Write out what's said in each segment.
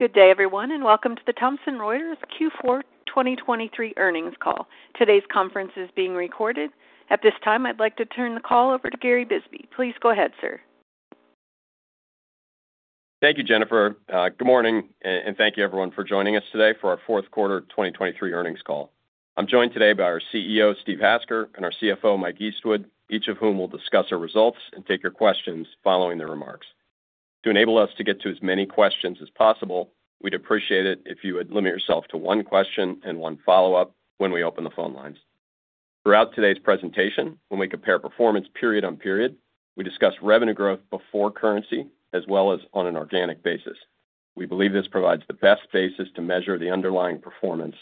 Good day, everyone, and welcome to the Thomson Reuters Q4 2023 earnings call. Today's conference is being recorded. At this time, I'd like to turn the call over to Gary Bisbee. Please go ahead, sir. Thank you, Jennifer. Good morning, and thank you everyone for joining us today for our fourth quarter 2023 earnings call. I'm joined today by our CEO, Steve Hasker, and our CFO, Mike Eastwood, each of whom will discuss our results and take your questions following the remarks. To enable us to get to as many questions as possible, we'd appreciate it if you would limit yourself to one question and one follow-up when we open the phone lines. Throughout today's presentation, when we compare performance period on period, we discuss revenue growth before currency as well as on an organic basis. We believe this provides the best basis to measure the underlying performance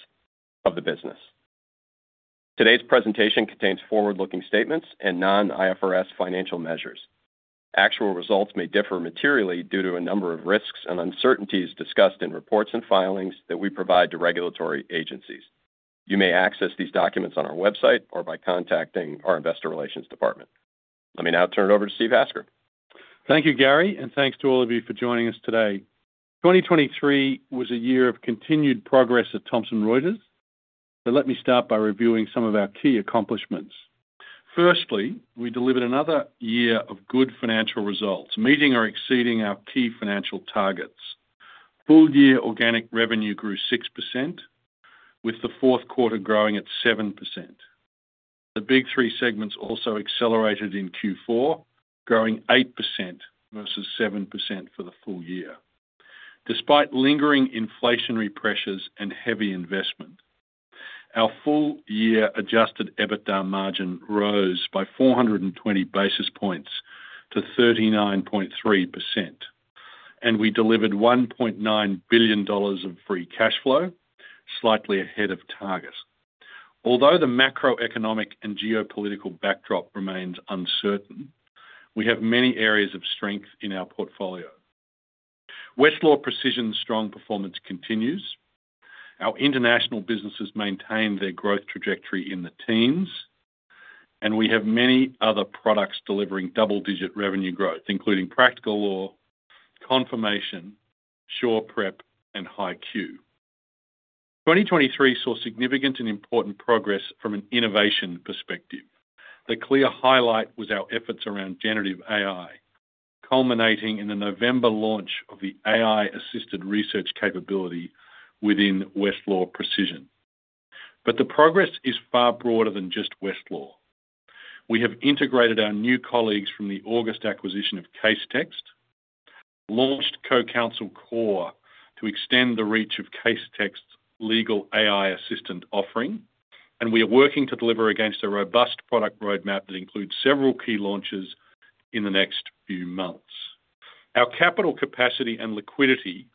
of the business. Today's presentation contains forward-looking statements and non-IFRS financial measures. Actual results may differ materially due to a number of risks and uncertainties discussed in reports and filings that we provide to regulatory agencies. You may access these documents on our website or by contacting our investor relations department. Let me now turn it over to Steve Hasker. Thank you, Gary, and thanks to all of you for joining us today. 2023 was a year of continued progress at Thomson Reuters, but let me start by reviewing some of our key accomplishments. Firstly, we delivered another year of good financial results, meeting or exceeding our key financial targets. Full-year organic revenue grew 6%, with the fourth quarter growing at 7%. The Big 3 segments also accelerated in Q4, growing 8% versus 7% for the full year. Despite lingering inflationary pressures and heavy investment, our full-year adjusted EBITDA margin rose by 420 basis points to 39.3%, and we delivered $1.9 billion of free cash flow, slightly ahead of target. Although the macroeconomic and geopolitical backdrop remains uncertain, we have many areas of strength in our portfolio. Westlaw Precision's strong performance continues. Our international businesses maintain their growth trajectory in the teens, and we have many other products delivering double-digit revenue growth, including Practical Law, Confirmation, SurePrep, and HighQ. 2023 saw significant and important progress from an innovation perspective. The clear highlight was our efforts around generative AI, culminating in the November launch of the AI-assisted research capability within Westlaw Precision. But the progress is far broader than just Westlaw. We have integrated our new colleagues from the August acquisition of Casetext, launched CoCounsel Core to extend the reach of Casetext's legal AI assistant offering, and we are working to deliver against a robust product roadmap that includes several key launches in the next few months. Our capital capacity and liquidity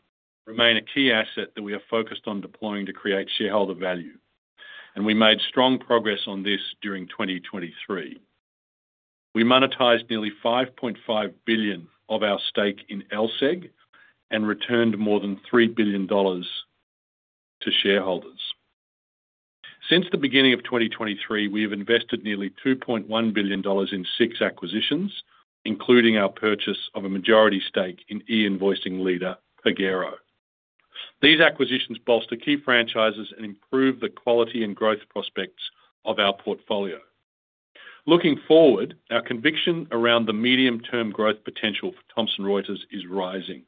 remain a key asset that we are focused on deploying to create shareholder value, and we made strong progress on this during 2023. We monetized nearly $5.5 billion of our stake in LSEG and returned more than $3 billion to shareholders. Since the beginning of 2023, we have invested nearly $2.1 billion in six acquisitions, including our purchase of a majority stake in e-invoicing leader Pagero. These acquisitions bolster key franchises and improve the quality and growth prospects of our portfolio. Looking forward, our conviction around the medium-term growth potential for Thomson Reuters is rising.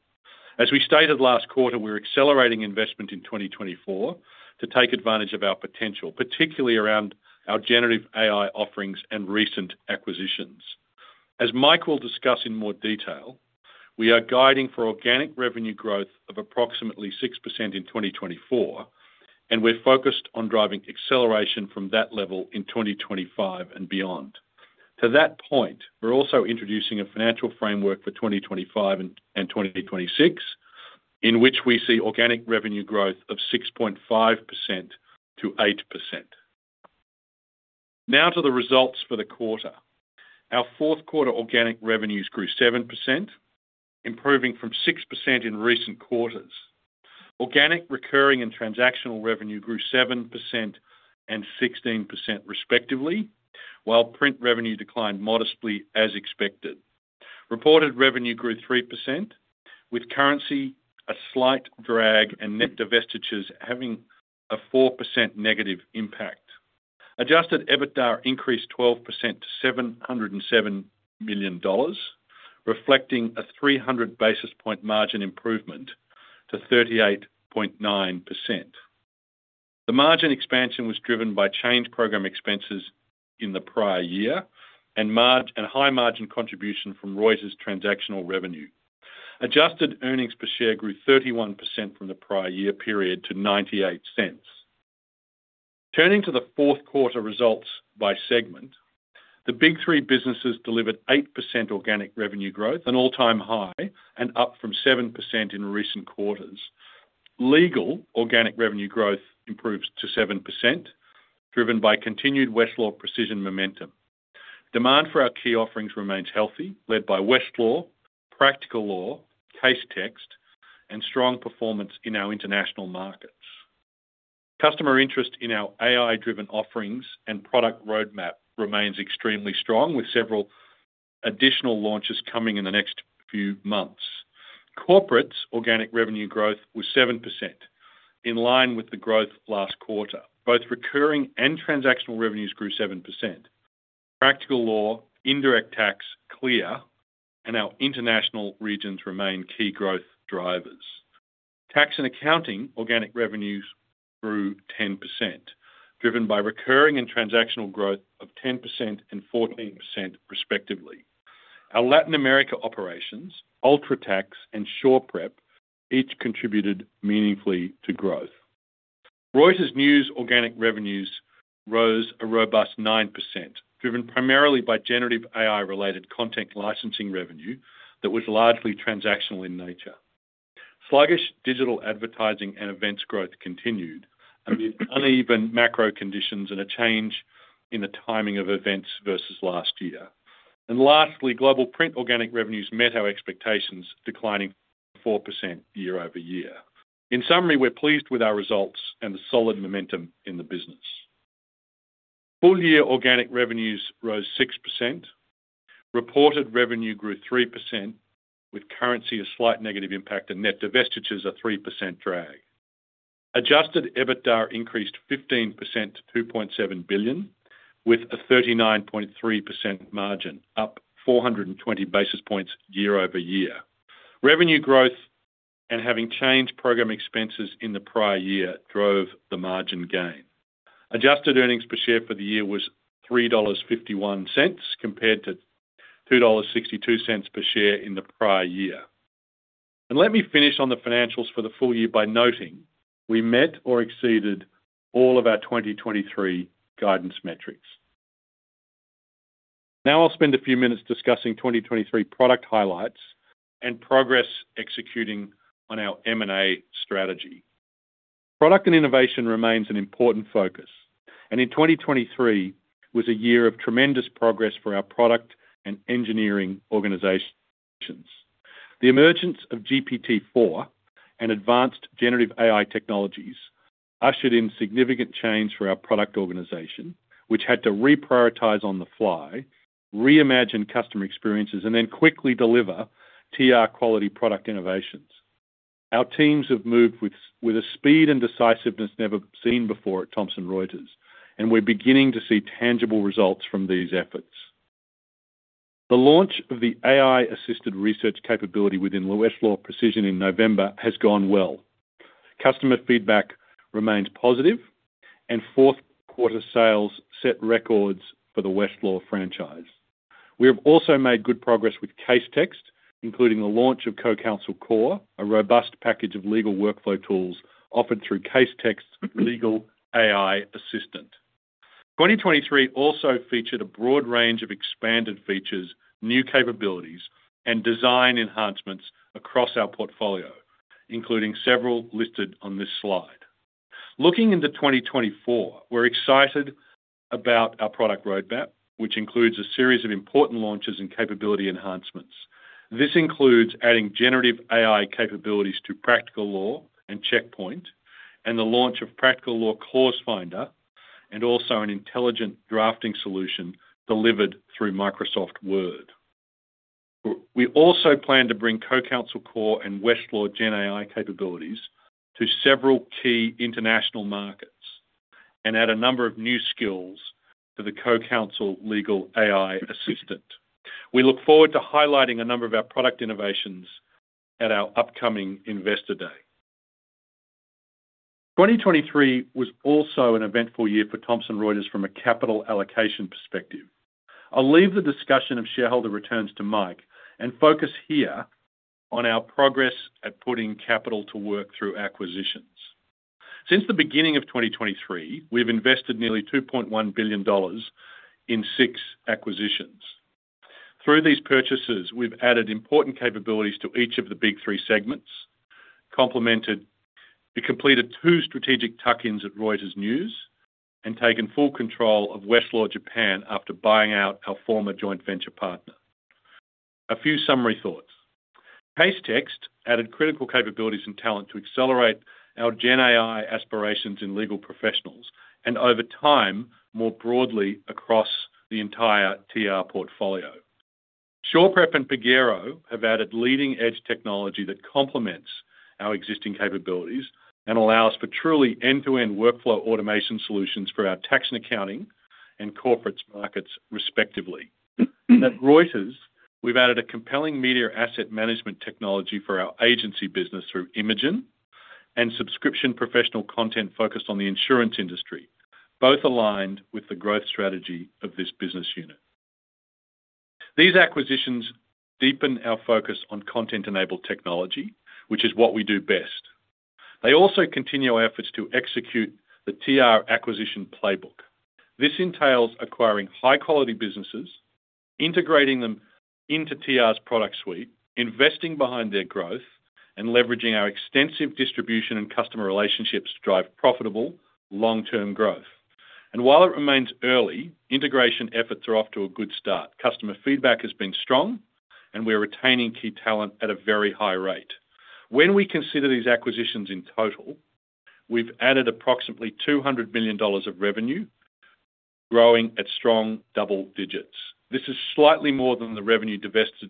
As we stated last quarter, we're accelerating investment in 2024 to take advantage of our potential, particularly around our generative AI offerings and recent acquisitions. As Mike will discuss in more detail, we are guiding for organic revenue growth of approximately 6% in 2024, and we're focused on driving acceleration from that level in 2025 and beyond. To that point, we're also introducing a financial framework for 2025 and 2026, in which we see organic revenue growth of 6.5%-8%. Now to the results for the quarter. Our fourth quarter organic revenues grew 7%, improving from 6% in recent quarters. Organic, recurring and transactional revenue grew 7% and 16%, respectively, while print revenue declined modestly as expected. Reported revenue grew 3%, with currency a slight drag and net divestitures having a 4% negative impact. Adjusted EBITDA increased 12% to $707 million, reflecting a 300 basis point margin improvement to 38.9%. The margin expansion was driven by change program expenses in the prior year and high margin contribution from Reuters' transactional revenue. Adjusted earnings per share grew 31% from the prior year period to $0.98. Turning to the fourth quarter results by segment, the Big 3 businesses delivered 8% organic revenue growth, an all-time high, and up from 7% in recent quarters. Legal organic revenue growth improves to 7%, driven by continued Westlaw Precision momentum. Demand for our key offerings remains healthy, led by Westlaw, Practical Law, Casetext, and strong performance in our international markets.... Customer interest in our AI-driven offerings and product roadmap remains extremely strong, with several additional launches coming in the next few months. Corporates' organic revenue growth was 7%, in line with the growth last quarter. Both recurring and transactional revenues grew 7%. Practical Law, Indirect Tax, CLEAR, and our international regions remain key growth drivers. Tax and Accounting organic revenues grew 10%, driven by recurring and transactional growth of 10% and 14% respectively. Our Latin America operations, UltraTax, and SurePrep, each contributed meaningfully to growth. Reuters News organic revenues rose a robust 9%, driven primarily by generative AI-related content licensing revenue that was largely transactional in nature. Sluggish digital advertising and events growth continued, amid uneven macro conditions and a change in the timing of events versus last year. Lastly, Global Print organic revenues met our expectations, declining 4% year-over-year. In summary, we're pleased with our results and the solid momentum in the business. Full-year organic revenues rose 6%. Reported revenue grew 3%, with currency a slight negative impact and net divestitures a 3% drag. Adjusted EBITDA increased 15% to $2.7 billion, with a 39.3% margin up 420 basis points year-over-year. Revenue growth and having changed program expenses in the prior year drove the margin gain. Adjusted earnings per share for the year was $3.51, compared to $2.62 per share in the prior year. And let me finish on the financials for the full year by noting we met or exceeded all of our 2023 guidance metrics. Now I'll spend a few minutes discussing 2023 product highlights and progress executing on our M&A strategy. Product and innovation remains an important focus, and in 2023 was a year of tremendous progress for our product and engineering organizations. The emergence of GPT-4 and advanced generative AI technologies ushered in significant change for our product organization, which had to reprioritize on-the-fly, reimagine customer experiences, and then quickly deliver TR quality product innovations. Our teams have moved with a speed and decisiveness never seen before at Thomson Reuters, and we're beginning to see tangible results from these efforts. The launch of the AI-assisted research capability within Westlaw Precision in November has gone well. Customer feedback remains positive, and fourth-quarter sales set records for the Westlaw franchise. We have also made good progress with Casetext, including the launch of CoCounsel Core, a robust package of legal workflow tools offered through Casetext's Legal AI Assistant. 2023 also featured a broad range of expanded features, new capabilities, and design enhancements across our portfolio, including several listed on this slide. Looking into 2024, we're excited about our product roadmap, which includes a series of important launches and capability enhancements. This includes adding generative AI capabilities to Practical Law and Checkpoint, and the launch of Practical Law Clause Finder, and also an intelligent drafting solution delivered through Microsoft Word. We also plan to bring CoCounsel Core and Westlaw GenAI capabilities to several key international markets and add a number of new skills to the CoCounsel Legal AI Assistant. We look forward to highlighting a number of our product innovations at our upcoming Investor Day. 2023 was also an eventful year for Thomson Reuters from a capital allocation perspective. I'll leave the discussion of shareholder returns to Mike and focus here on our progress at putting capital to work through acquisitions. Since the beginning of 2023, we've invested nearly $2.1 billion in six acquisitions. Through these purchases, we've added important capabilities to each of the Big 3 segments. We completed two strategic tuck-ins at Reuters News and taken full control of Westlaw Japan after buying out our former joint venture partner. A few summary thoughts. Casetext added critical capabilities and talent to accelerate our GenAI aspirations in Legal Professionals, and over time, more broadly across the entire TR portfolio. SurePrep and Pagero have added leading-edge technology that complements our existing capabilities and allows for truly end-to-end workflow automation solutions for our Tax and Accounting and Corporates markets, respectively. At Reuters, we've added a compelling media asset management technology for our agency business through Imagen and subscription professional content focused on the insurance industry, both aligned with the growth strategy of this business unit. These acquisitions deepen our focus on content-enabled technology, which is what we do best. They also continue our efforts to execute the TR acquisition playbook. This entails acquiring high-quality businesses, integrating them into TR's product suite, investing behind their growth, and leveraging our extensive distribution and customer relationships to drive profitable long-term growth.... While it remains early, integration efforts are off to a good start. Customer feedback has been strong, and we're retaining key talent at a very high rate. When we consider these acquisitions in total, we've added approximately $200 million of revenue, growing at strong double digits. This is slightly more than the revenue divested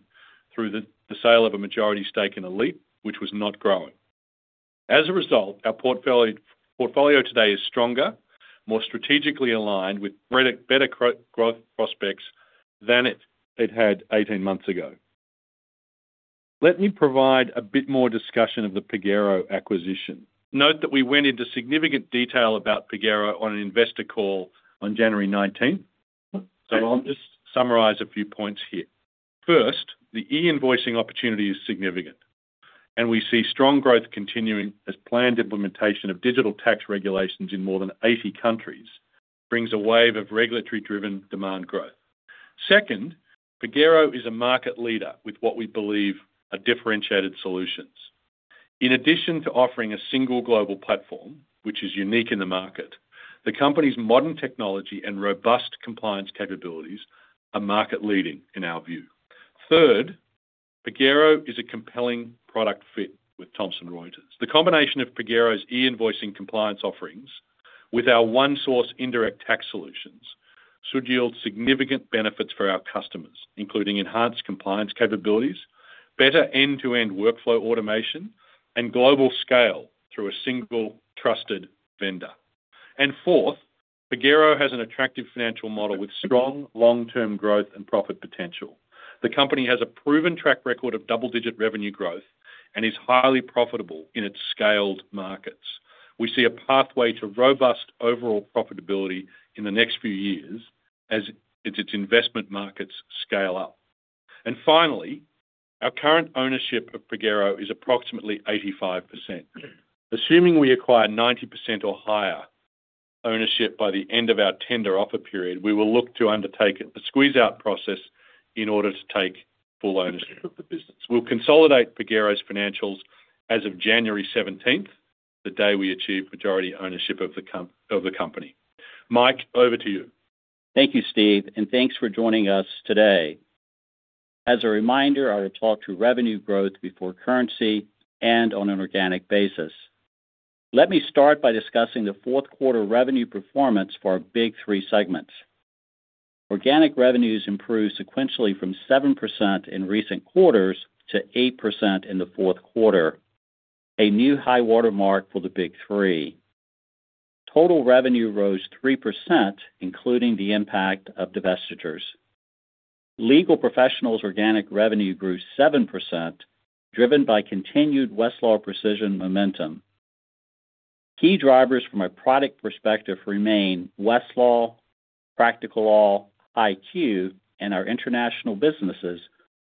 through the sale of a majority stake in Elite, which was not growing. As a result, our portfolio today is stronger, more strategically aligned with better growth prospects than it had 18 months ago. Let me provide a bit more discussion of the Pagero acquisition. Note that we went into significant detail about Pagero on an investor call on January 19th, so I'll just summarize a few points here. First, the e-invoicing opportunity is significant, and we see strong growth continuing as planned implementation of digital tax regulations in more than 80 countries brings a wave of regulatory-driven demand growth. Second, Pagero is a market leader with what we believe are differentiated solutions. In addition to offering a single global platform, which is unique in the market, the company's modern technology and robust compliance capabilities are market-leading, in our view. Third, Pagero is a compelling product fit with Thomson Reuters. The combination of Pagero's e-invoicing compliance offerings with our ONESOURCE Indirect Tax solutions should yield significant benefits for our customers, including enhanced compliance capabilities, better end-to-end workflow automation, and global scale through a single trusted vendor. Fourth, Pagero has an attractive financial model with strong long-term growth and profit potential. The company has a proven track record of double-digit revenue growth and is highly profitable in its scaled markets. We see a pathway to robust overall profitability in the next few years as its investment markets scale up. And finally, our current ownership of Pagero is approximately 85%. Assuming we acquire 90% or higher ownership by the end of our tender offer period, we will look to undertake a squeeze-out process in order to take full ownership of the business. We'll consolidate Pagero's financials as of January 17th, the day we achieved majority ownership of the company. Mike, over to you. Thank you, Steve, and thanks for joining us today. As a reminder, I will talk to revenue growth before currency and on an organic basis. Let me start by discussing the fourth quarter revenue performance for our Big 3 segments. Organic revenues improved sequentially from 7% in recent quarters to 8% in the fourth quarter, a new high-water mark for the Big 3. Total revenue rose 3%, including the impact of divestitures. Legal Professionals' organic revenue grew 7%, driven by continued Westlaw Precision momentum. Key drivers from a product perspective remain Westlaw, Practical Law, HighQ, and our international businesses,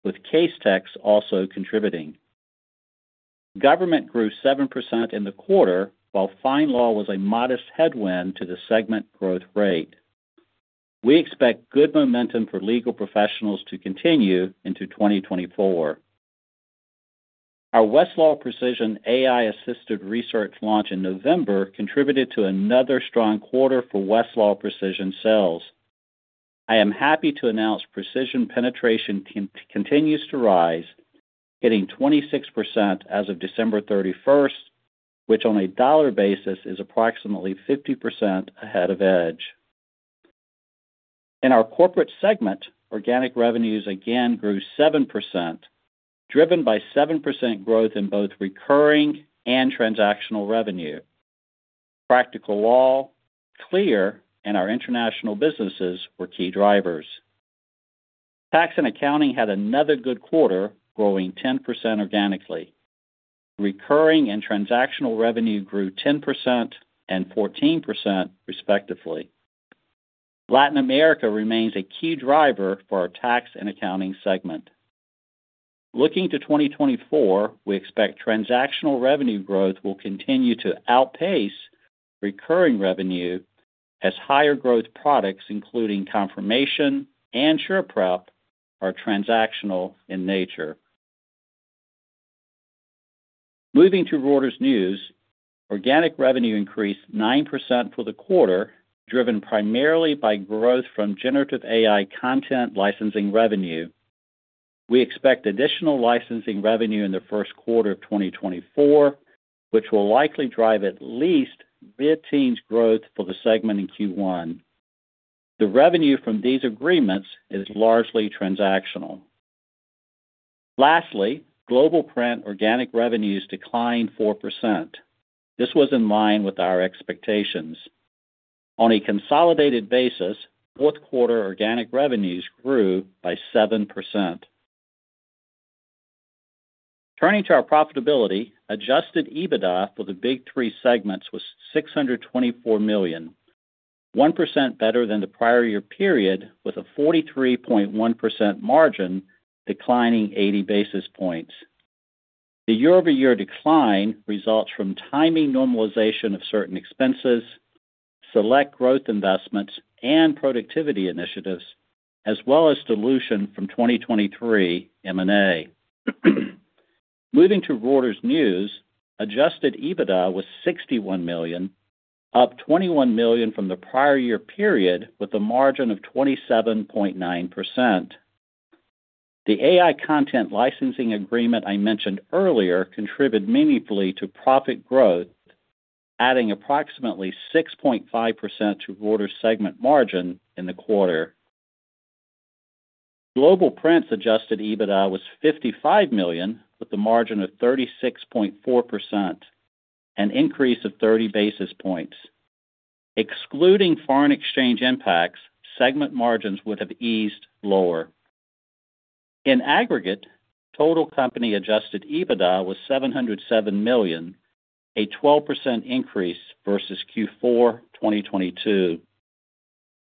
with Casetext also contributing. Government grew 7% in the quarter, while FindLaw was a modest headwind to the segment growth rate. We expect good momentum for Legal Professionals to continue into 2024. Our Westlaw Precision AI-assisted research launch in November contributed to another strong quarter for Westlaw Precision sales. I am happy to announce Precision penetration continues to rise, hitting 26% as of December 31st, which on a dollar basis is approximately 50% ahead of Edge. In our corporate segment, organic revenues again grew 7%, driven by 7% growth in both recurring and transactional revenue. Practical Law, CLEAR, and our international businesses were key drivers. Tax and Accounting had another good quarter, growing 10% organically. Recurring and transactional revenue grew 10% and 14%, respectively. Latin America remains a key driver for our Tax and Accounting segment. Looking to 2024, we expect transactional revenue growth will continue to outpace recurring revenue as higher growth products, including Confirmation and SurePrep, are transactional in nature. Moving to Reuters News, organic revenue increased 9% for the quarter, driven primarily by growth from generative AI content licensing revenue. We expect additional licensing revenue in the first quarter of 2024, which will likely drive at least mid-teens growth for the segment in Q1. The revenue from these agreements is largely transactional. Lastly, Global Print organic revenues declined 4%. This was in line with our expectations. On a consolidated basis, fourth quarter organic revenues grew by 7%. Turning to our profitability, adjusted EBITDA for the Big 3 segments was $624 million, 1% better than the prior year period, with a 43.1% margin declining 80 basis points. The year-over-year decline results from timing normalization of certain expenses, select growth investments and productivity initiatives, as well as dilution from 2023 M&A.... Moving to Reuters News, adjusted EBITDA was $61 million, up $21 million from the prior year period, with a margin of 27.9%. The AI content licensing agreement I mentioned earlier contributed meaningfully to profit growth, adding approximately 6.5% to Reuters segment margin in the quarter. Global Print adjusted EBITDA was $55 million, with a margin of 36.4%, an increase of 30 basis points. Excluding foreign exchange impacts, segment margins would have eased lower. In aggregate, total company adjusted EBITDA was $707 million, a 12% increase versus Q4 2022.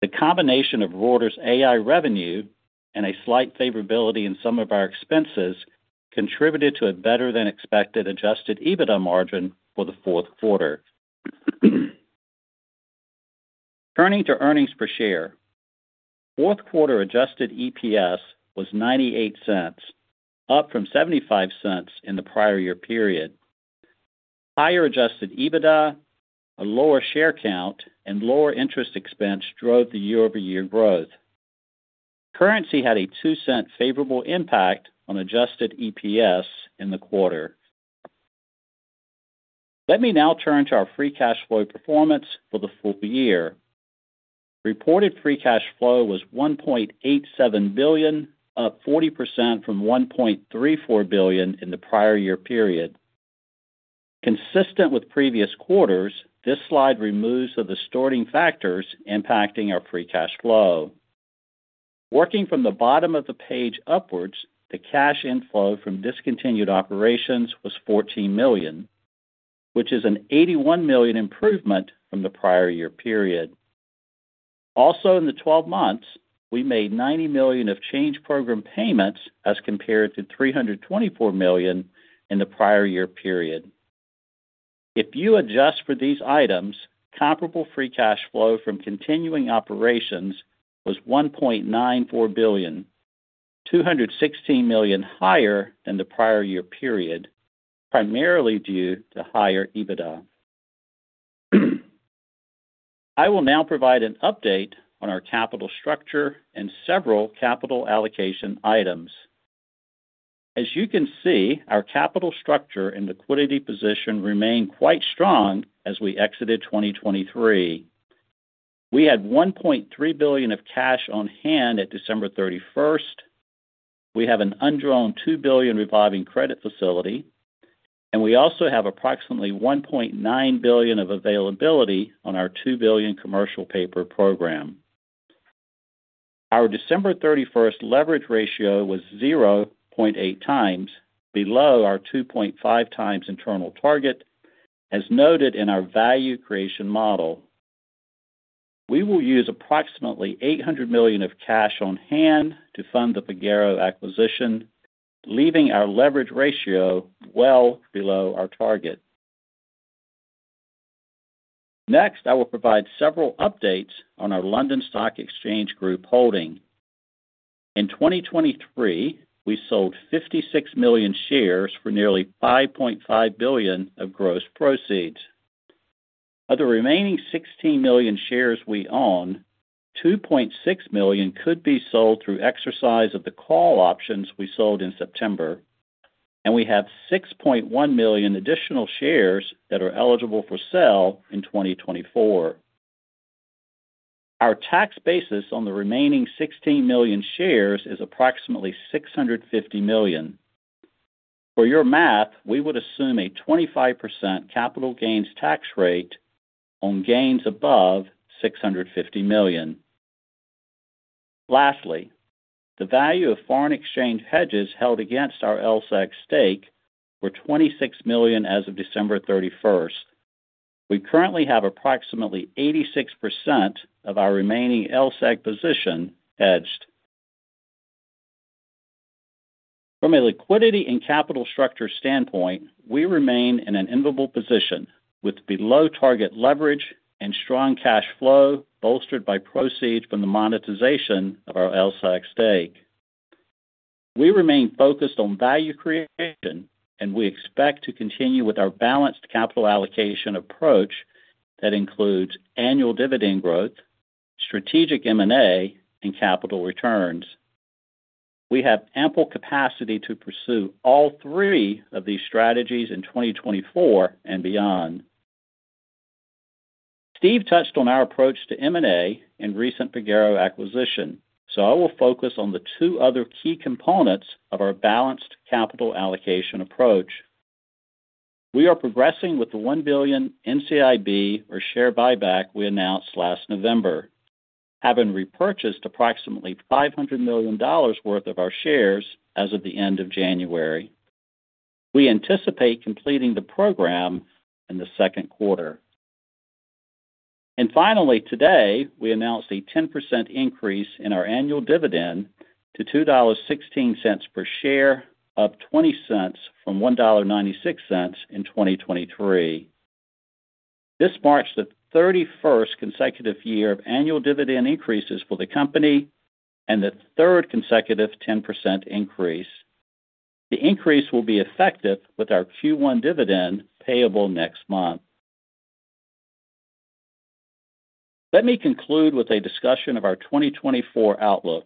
The combination of Reuters AI revenue and a slight favorability in some of our expenses contributed to a better than expected adjusted EBITDA margin for the fourth quarter. Turning to earnings per share. Fourth quarter adjusted EPS was $0.98, up from $0.75 in the prior year period. Higher adjusted EBITDA, a lower share count, and lower interest expense drove the year-over-year growth. Currency had a $0.02 favorable impact on adjusted EPS in the quarter. Let me now turn to our free cash flow performance for the full year. Reported free cash flow was $1.87 billion, up 40% from $1.34 billion in the prior year period. Consistent with previous quarters, this slide removes the distorting factors impacting our free cash flow. Working from the bottom of the page upwards, the cash inflow from discontinued operations was $14 million, which is an $81 million improvement from the prior year period. Also, in the 12 months, we made $90 million of change program payments, as compared to $324 million in the prior year period. If you adjust for these items, comparable free cash flow from continuing operations was $1.94 billion, $216 million higher than the prior year period, primarily due to higher EBITDA. I will now provide an update on our capital structure and several capital allocation items. As you can see, our capital structure and liquidity position remain quite strong as we exited 2023. We had $1.3 billion of cash on hand at December 31st. We have an undrawn $2 billion revolving credit facility, and we also have approximately $1.9 billion of availability on our $2 billion commercial paper program. Our December 31st leverage ratio was 0.8x, below our 2.5x internal target, as noted in our value creation model. We will use approximately $800 million of cash on hand to fund the Pagero acquisition, leaving our leverage ratio well below our target. Next, I will provide several updates on our London Stock Exchange Group holding. In 2023, we sold 56 million shares for nearly $5.5 billion of gross proceeds. Of the remaining 16 million shares we own, 2.6 million could be sold through exercise of the call options we sold in September, and we have 6.1 million additional shares that are eligible for sale in 2024. Our tax basis on the remaining 16 million shares is approximately $650 million. For your math, we would assume a 25% capital gains tax rate on gains above $650 million. Lastly, the value of foreign exchange hedges held against our LSEG stake were $26 million as of December 31st. We currently have approximately 86% of our remaining LSEG position hedged. From a liquidity and capital structure standpoint, we remain in an enviable position with below target leverage and strong cash flow, bolstered by proceeds from the monetization of our LSEG stake. We remain focused on value creation, and we expect to continue with our balanced capital allocation approach that includes annual dividend growth, strategic M&A, and capital returns. We have ample capacity to pursue all three of these strategies in 2024 and beyond. Steve touched on our approach to M&A and recent Pagero acquisition, so I will focus on the two other key components of our balanced capital allocation approach. We are progressing with the $1 billion NCIB or share buyback we announced last November, having repurchased approximately $500 million worth of our shares as of the end of January. We anticipate completing the program in the second quarter. Finally, today, we announced a 10% increase in our annual dividend to $2.16 per share, up $0.20 from $1.96 in 2023. This marks the 31st consecutive year of annual dividend increases for the company and the third consecutive 10% increase. The increase will be effective with our Q1 dividend payable next month. Let me conclude with a discussion of our 2024 outlook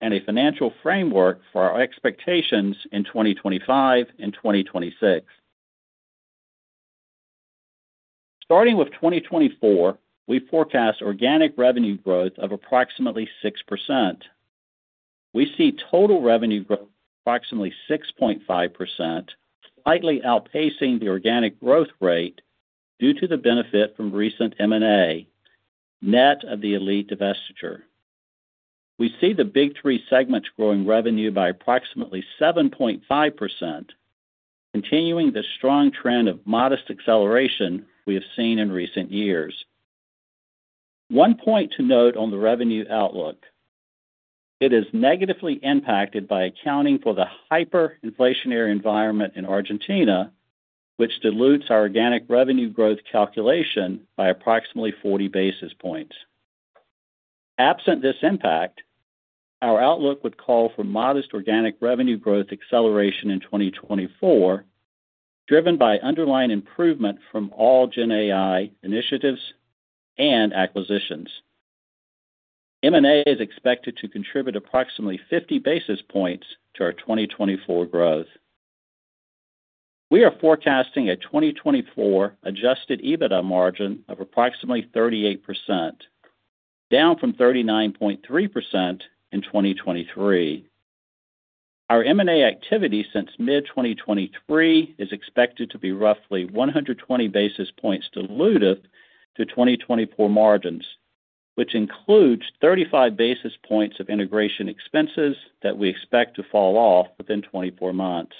and a financial framework for our expectations in 2025 and 2026. Starting with 2024, we forecast organic revenue growth of approximately 6%. We see total revenue growth of approximately 6.5%, slightly outpacing the organic growth rate due to the benefit from recent M&A, net of the Elite divestiture. We see the Big 3 segments growing revenue by approximately 7.5%, continuing the strong trend of modest acceleration we have seen in recent years. One point to note on the revenue outlook, it is negatively impacted by accounting for the hyperinflationary environment in Argentina, which dilutes our organic revenue growth calculation by approximately 40 basis points. Absent this impact, our outlook would call for modest organic revenue growth acceleration in 2024, driven by underlying improvement from all GenAI initiatives and acquisitions. M&A is expected to contribute approximately 50 basis points to our 2024 growth. We are forecasting a 2024 adjusted EBITDA margin of approximately 38%, down from 39.3% in 2023. Our M&A activity since mid-2023 is expected to be roughly 120 basis points dilutive to 2024 margins, which includes 35 basis points of integration expenses that we expect to fall off within 24 months.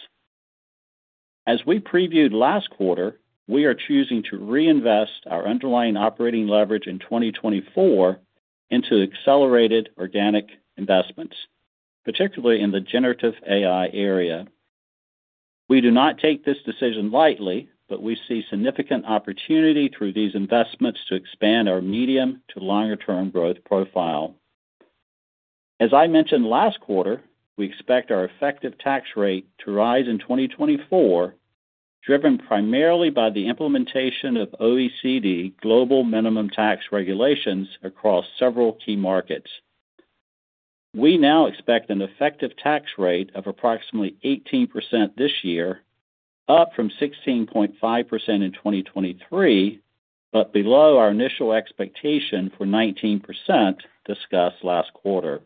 As we previewed last quarter, we are choosing to reinvest our underlying operating leverage in 2024 into accelerated organic investments, particularly in the generative AI area. We do not take this decision lightly, but we see significant opportunity through these investments to expand our medium to longer-term growth profile. As I mentioned last quarter, we expect our effective tax rate to rise in 2024, driven primarily by the implementation of OECD global minimum tax regulations across several key markets. We now expect an effective tax rate of approximately 18% this year, up from 16.5% in 2023, but below our initial expectation for 19% discussed last quarter.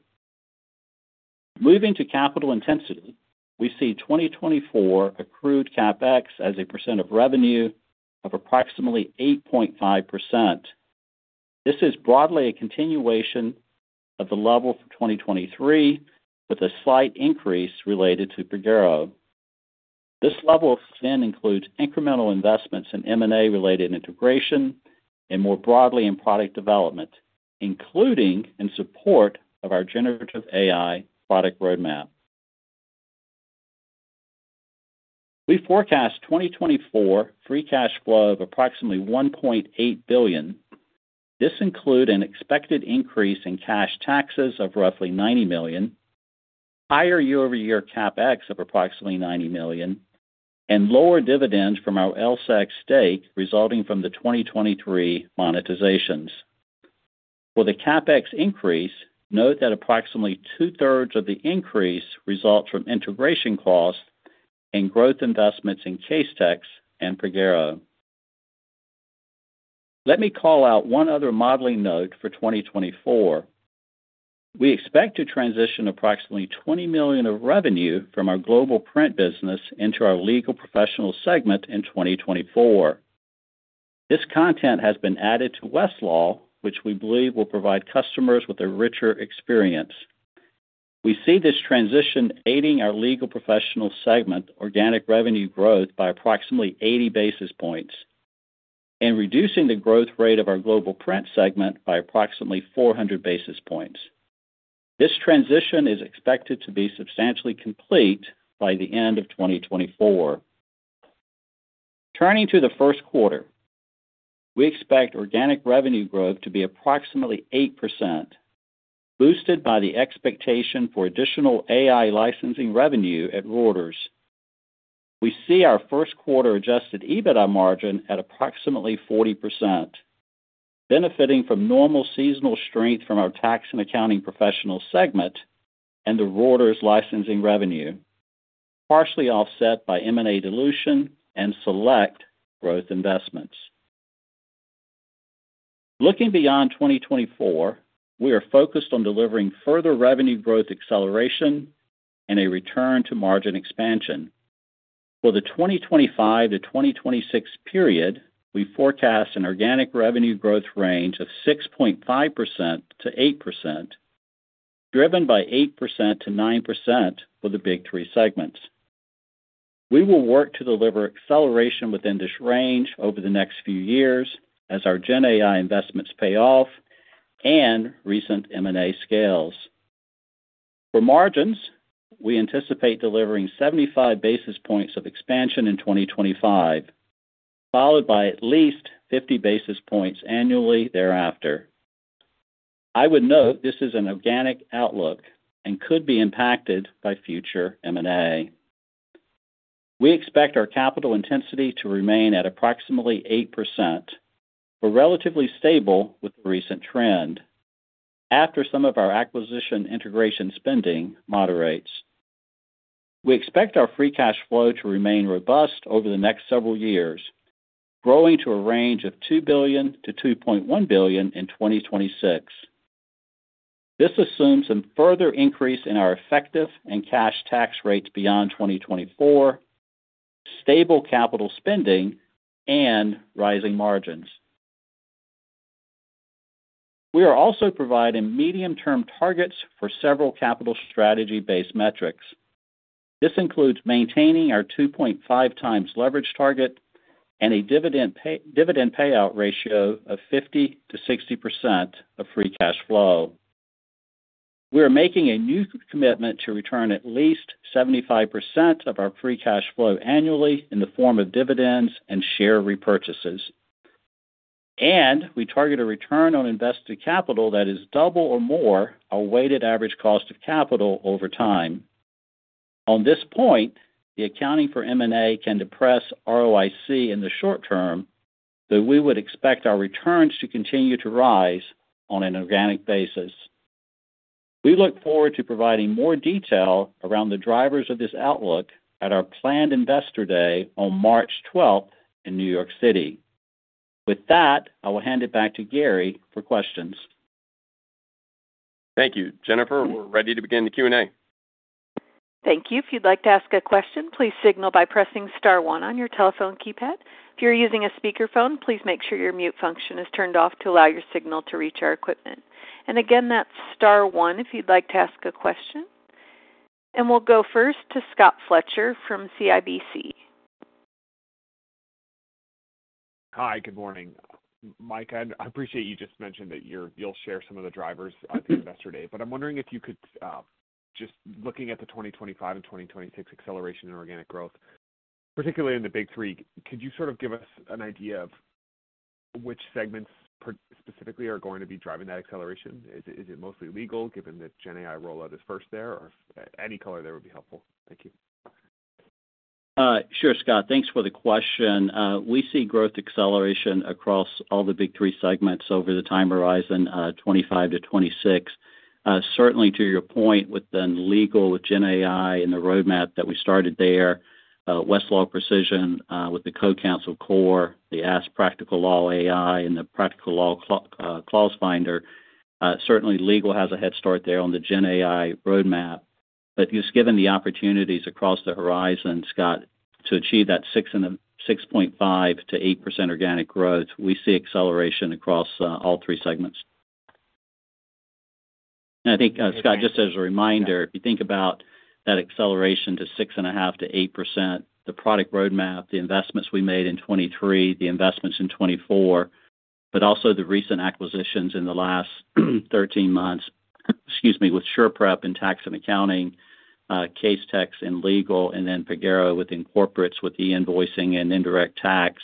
Moving to capital intensity, we see 2024 accrued CapEx as a percent of revenue of approximately 8.5%. This is broadly a continuation of the level for 2023, with a slight increase related to Pagero. This level of spend includes incremental investments in M&A-related integration and more broadly in product development, including in support of our generative AI product roadmap. We forecast 2024 free cash flow of approximately $1.8 billion. This include an expected increase in cash taxes of roughly $90 million, higher year-over-year CapEx of approximately $90 million, and lower dividends from our LSEG stake resulting from the 2023 monetizations. For the CapEx increase, note that approximately two-thirds of the increase results from integration costs and growth investments in Casetext and Pagero. Let me call out one other modeling note for 2024. We expect to transition approximately $20 million of revenue from our Global Print business into our legal professional segment in 2024. This content has been added to Westlaw, which we believe will provide customers with a richer experience. We see this transition aiding our legal professional segment organic revenue growth by approximately 80 basis points and reducing the growth rate of our Global Print segment by approximately 400 basis points. This transition is expected to be substantially complete by the end of 2024. Turning to the first quarter, we expect organic revenue growth to be approximately 8%, boosted by the expectation for additional AI licensing revenue at Reuters. We see our first quarter adjusted EBITDA margin at approximately 40%, benefiting from normal seasonal strength from our Tax and Accounting professional segment and the Reuters licensing revenue, partially offset by M&A dilution and select growth investments. Looking beyond 2024, we are focused on delivering further revenue growth acceleration and a return to margin expansion. For the 2025-2026 period, we forecast an organic revenue growth range of 6.5%-8%, driven by 8%-9% for the Big 3 segments. We will work to deliver acceleration within this range over the next few years as our GenAI investments pay off and recent M&A scales. For margins, we anticipate delivering 75 basis points of expansion in 2025, followed by at least 50 basis points annually thereafter. I would note this is an organic outlook and could be impacted by future M&A. We expect our capital intensity to remain at approximately 8%, but relatively stable with the recent trend. After some of our acquisition integration spending moderates, we expect our free cash flow to remain robust over the next several years, growing to a range of $2 billion-$2.1 billion in 2026. This assumes some further increase in our effective and cash tax rates beyond 2024, stable capital spending, and rising margins. We are also providing medium-term targets for several capital strategy-based metrics. This includes maintaining our 2.5x leverage target and a dividend pay, dividend payout ratio of 50%-60% of free cash flow. We are making a new commitment to return at least 75% of our free cash flow annually in the form of dividends and share repurchases. We target a return on invested capital that is double or more, our weighted average cost of capital over time. On this point, the accounting for M&A can depress ROIC in the short term, though we would expect our returns to continue to rise on an organic basis. We look forward to providing more detail around the drivers of this outlook at our planned Investor Day on March 12th in New York City. With that, I will hand it back to Gary for questions. Thank you. Jennifer, we're ready to begin the Q&A. Thank you. If you'd like to ask a question, please signal by pressing star one on your telephone keypad. If you're using a speakerphone, please make sure your mute function is turned off to allow your signal to reach our equipment. Again, that's star one if you'd like to ask a question. We'll go first to Scott Fletcher from CIBC. Hi, good morning. Mike, I appreciate you just mentioned that you'll share some of the drivers at the Investor Day, but I'm wondering if you could, just looking at the 2025 and 2026 acceleration in organic growth, particularly in the Big 3, could you sort of give us an idea of which segments specifically are going to be driving that acceleration? Is it mostly legal, given that GenAI rollout is first there, or any color there would be helpful. Thank you. Sure, Scott. Thanks for the question. We see growth acceleration across all the Big 3 segments over the time horizon, 2025 to 2026. Certainly, to your point, with the legal, with GenAI and the roadmap that we started there, Westlaw Precision, with the CoCounsel Core, the Ask Practical Law AI, and the Practical Law Clause Finder, certainly legal has a head start there on the GenAI roadmap. But just given the opportunities across the horizon, Scott, to achieve that 6.5%-8% organic growth, we see acceleration across all three segments. And I think, Scott, just as a reminder, if you think about that acceleration to 6.5%-8%, the product roadmap, the investments we made in 2023, the investments in 2024, but also the recent acquisitions in the last 13 months, excuse me, with SurePrep and Tax and Accounting, Casetext and Legal, and then Pagero with Corporates, with e-invoicing and Indirect Tax.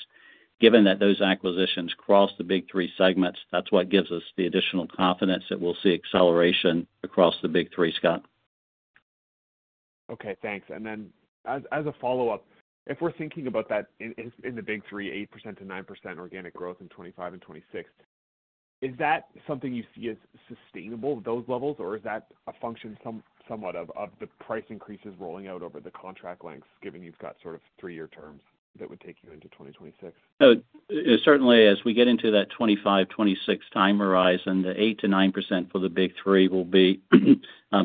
Given that those acquisitions cross the Big 3 segments, that's what gives us the additional confidence that we'll see acceleration across the Big 3, Scott. Okay, thanks. And then as a follow-up, if we're thinking about that in the Big 3, 8%-9% organic growth in 2025 and 2026, is that something you see as sustainable, those levels? Or is that a function somewhat of the price increases rolling out over the contract lengths, given you've got sort of 3-year terms that would take you into 2026? So certainly as we get into that 2025, 2026 time horizon, the 8%-9% for the Big 3 will be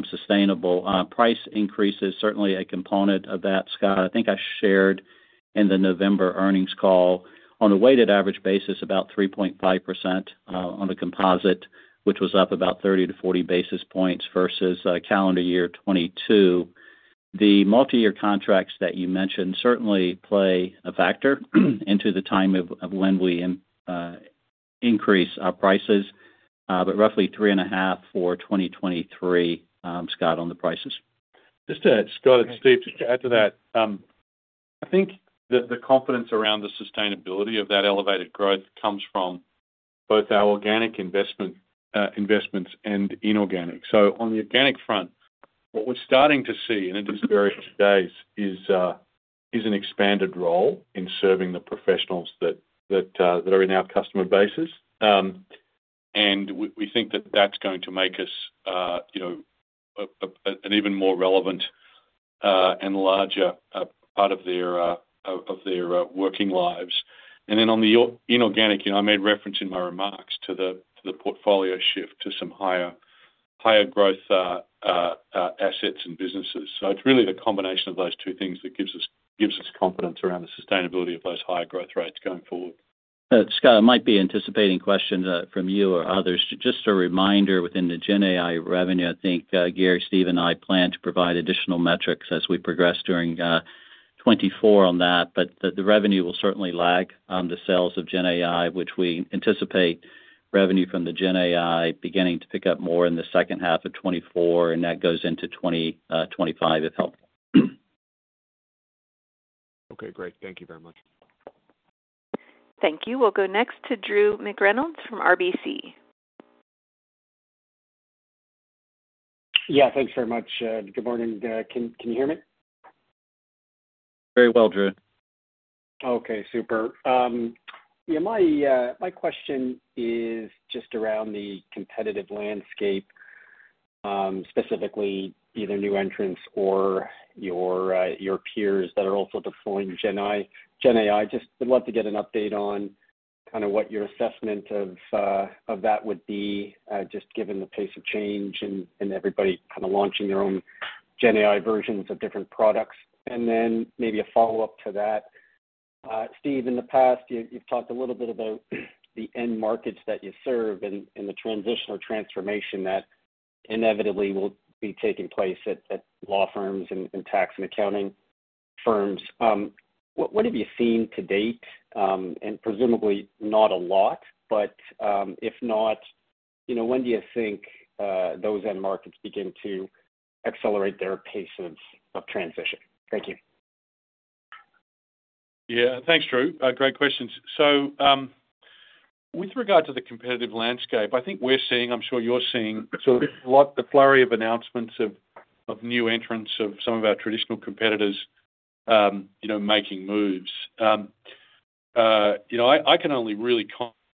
sustainable. Price increase is certainly a component of that, Scott. I think I shared in the November earnings call on a weighted average basis, about 3.5%, on the composite, which was up about 30-40 basis points versus calendar year 2022. The multiyear contracts that you mentioned certainly play a factor into the time of when we increase our prices, but roughly 3.5% for 2023, Scott, on the prices. Just to Scott and Steve, just to add to that, I think that the confidence around the sustainability of that elevated growth comes from both our organic investment, investments and inorganic. So on the organic front, what we're starting to see, and it is very few days, is an expanded role in serving the professionals that are in our customer bases. And we think that that's going to make us, you know, an even more relevant and larger part of their working lives. And then on the inorganic, you know, I made reference in my remarks to the portfolio shift to some higher growth assets and businesses. So it's really the combination of those two things that gives us confidence around the sustainability of those higher growth rates going forward. Scott, I might be anticipating questions from you or others. Just a reminder, within the GenAI revenue, I think, Gary, Steve, and I plan to provide additional metrics as we progress during 2024 on that, but the revenue will certainly lag on the sales of GenAI, which we anticipate revenue from the GenAI beginning to pick up more in the second half of 2024, and that goes into 2025, if helpful. Okay, great. Thank you very much. Thank you. We'll go next to Drew McReynolds from RBC. Yeah, thanks very much. Good morning. Can you hear me? Very well, Drew. Okay, super. Yeah, my, my question is just around the competitive landscape, specifically either new entrants or your, your peers that are also deploying GenAI. Just would love to get an update on kind of what your assessment of, of that would be, just given the pace of change and everybody kind of launching their own GenAI versions of different products. And then maybe a follow-up to that. Steve, in the past, you, you've talked a little bit about the end markets that you serve and the transition or transformation that inevitably will be taking place at law firms and tax and accounting firms. What have you seen to date? Presumably not a lot, but if not, you know, when do you think those end markets begin to accelerate their pace of transition? Thank you. Yeah, thanks, Drew. Great questions. So, with regard to the competitive landscape, I think we're seeing, I'm sure you're seeing, so a lot the flurry of announcements of, of new entrants, of some of our traditional competitors, you know, making moves. You know, I, I can only really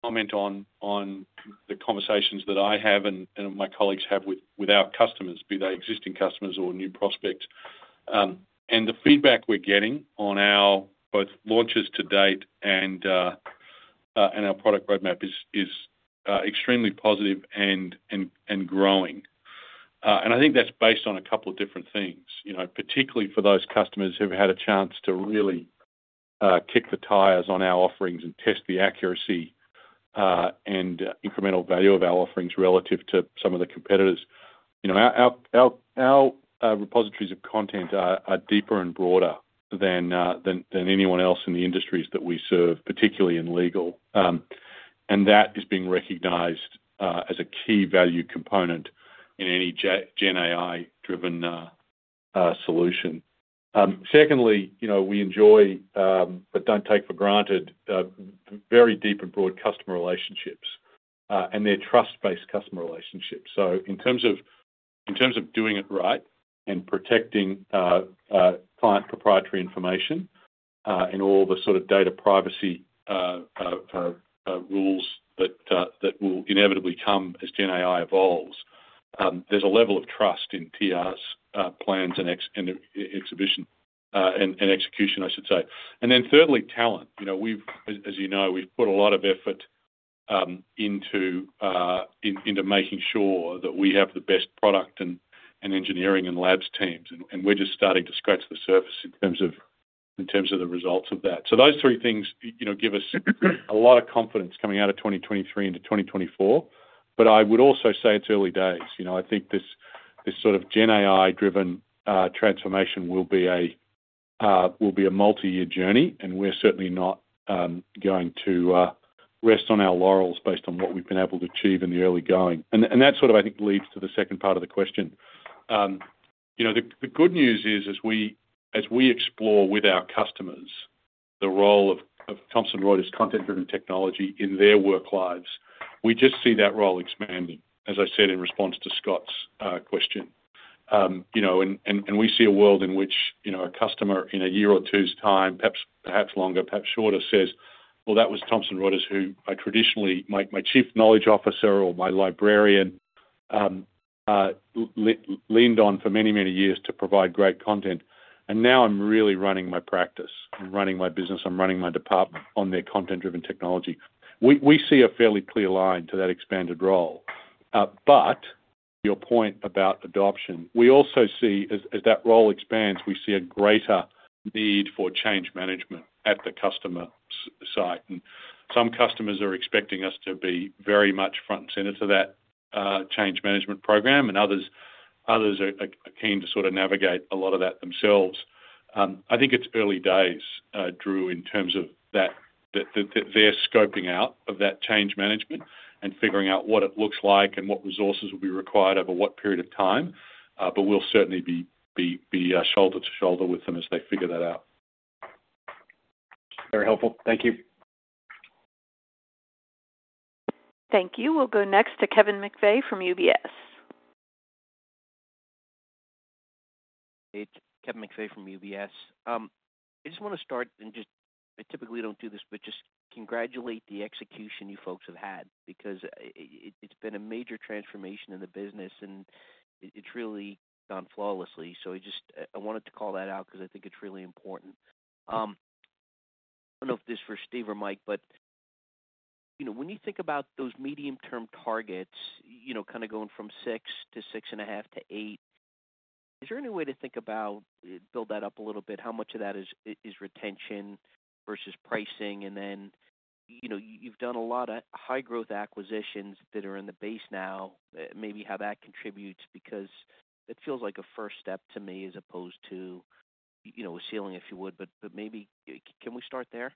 comment on, on the conversations that I have and, and my colleagues have with, with our customers, be they existing customers or new prospects. And the feedback we're getting on our both launches to date and, and our product roadmap is extremely positive and growing. And I think that's based on a couple of different things. You know, particularly for those customers who've had a chance to really kick the tires on our offerings and test the accuracy and incremental value of our offerings relative to some of the competitors. You know, our repositories of content are deeper and broader than anyone else in the industries that we serve, particularly in legal. And that is being recognized as a key value component in any GenAI-driven solution. Secondly, you know, we enjoy but don't take for granted very deep and broad customer relationships and their trust-based customer relationships. So in terms of, in terms of doing it right and protecting client proprietary information, and all the sort of data privacy rules that, that will inevitably come as GenAI evolves, there's a level of trust in TR's plans and execution, I should say. And then thirdly, talent. You know, we've, as you know, we've put a lot of effort into making sure that we have the best product and engineering and labs teams, and we're just starting to scratch the surface in terms of, in terms of the results of that. So those three things, you know, give us a lot of confidence coming out of 2023 into 2024. But I would also say it's early days. You know, I think this sort of GenAI-driven transformation will be a multiyear journey, and we're certainly not going to rest on our laurels based on what we've been able to achieve in the early going. And that sort of, I think, leads to the second part of the question. You know, the good news is, as we explore with our customers, the role of Thomson Reuters' content-driven technology in their work lives, we just see that role expanding, as I said, in response to Scott's question. You know, we see a world in which, you know, a customer in a year or two's time, perhaps, perhaps longer, perhaps shorter, says, "Well, that was Thomson Reuters, who I traditionally—my, my chief knowledge officer or my librarian, leaned on for many, many years to provide great content. And now I'm really running my practice. I'm running my business, I'm running my department on their content-driven technology." We see a fairly clear line to that expanded role. But your point about adoption, we also see as that role expands, we see a greater need for change management at the customer site, and some customers are expecting us to be very much front and center to that, change management program, and others are keen to sort of navigate a lot of that themselves. I think it's early days, Drew, in terms of that, their scoping out of that change management and figuring out what it looks like and what resources will be required over what period of time. But we'll certainly be shoulder to shoulder with them as they figure that out. Very helpful. Thank you. Thank you. We'll go next to Kevin McVeigh from UBS. It's Kevin McVeigh from UBS. I just want to start and just... I typically don't do this, but just congratulate the execution you folks have had because it's been a major transformation in the business, and it, it's really gone flawlessly. So I just, I wanted to call that out because I think it's really important. I don't know if this is for Steve or Mike, but, you know, when you think about those medium-term targets, you know, kind of going from 6% to 6.5% to 8%, is there any way to think about, build that up a little bit? How much of that is, is retention versus pricing? And then-... You know, you've done a lot of high-growth acquisitions that are in the base now. Maybe how that contributes, because it feels like a first step to me, as opposed to, you know, a ceiling, if you would. But, maybe, can we start there?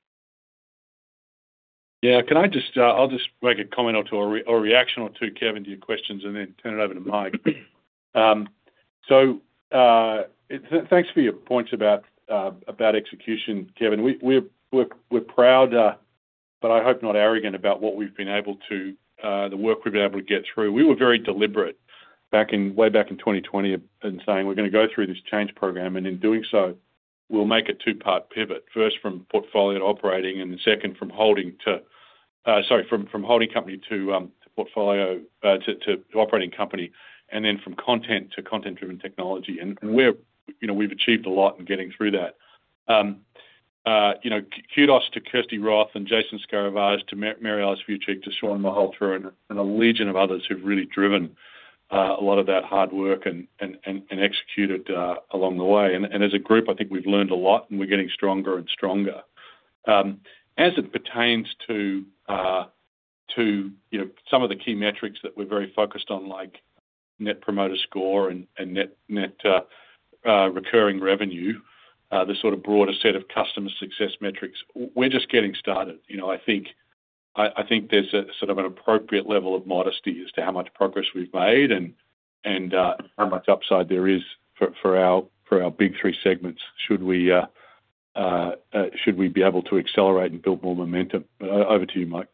Yeah. Can I just, I'll just make a comment or two, or a reaction or two, Kevin, to your questions, and then turn it over to Mike. So, thanks for your points about execution, Kevin. We're proud, but I hope not arrogant about the work we've been able to get through. We were very deliberate back in way back in 2020 and saying: We're going to go through this change program, and in doing so, we'll make a two-part pivot, first from portfolio to operating, and second, from holding to... Sorry, from holding company to portfolio, to operating company, and then from content to content-driven technology. And we're, you know, we've achieved a lot in getting through that. Kudos to Kirsty Roth and Jason Escaravage, to Mary Alice Vuicic, to Shawn Malhotra, and a legion of others who've really driven a lot of that hard work and, and, and, and executed along the way. And as a group, I think we've learned a lot, and we're getting stronger and stronger. As it pertains to, you know, some of the key metrics that we're very focused on, like Net Promoter Score and net recurring revenue, the sort of broader set of customer success metrics, we're just getting started. You know, I think there's a sort of an appropriate level of modesty as to how much progress we've made and how much upside there is for our Big 3 segments, should we be able to accelerate and build more momentum. But over to you, Mike.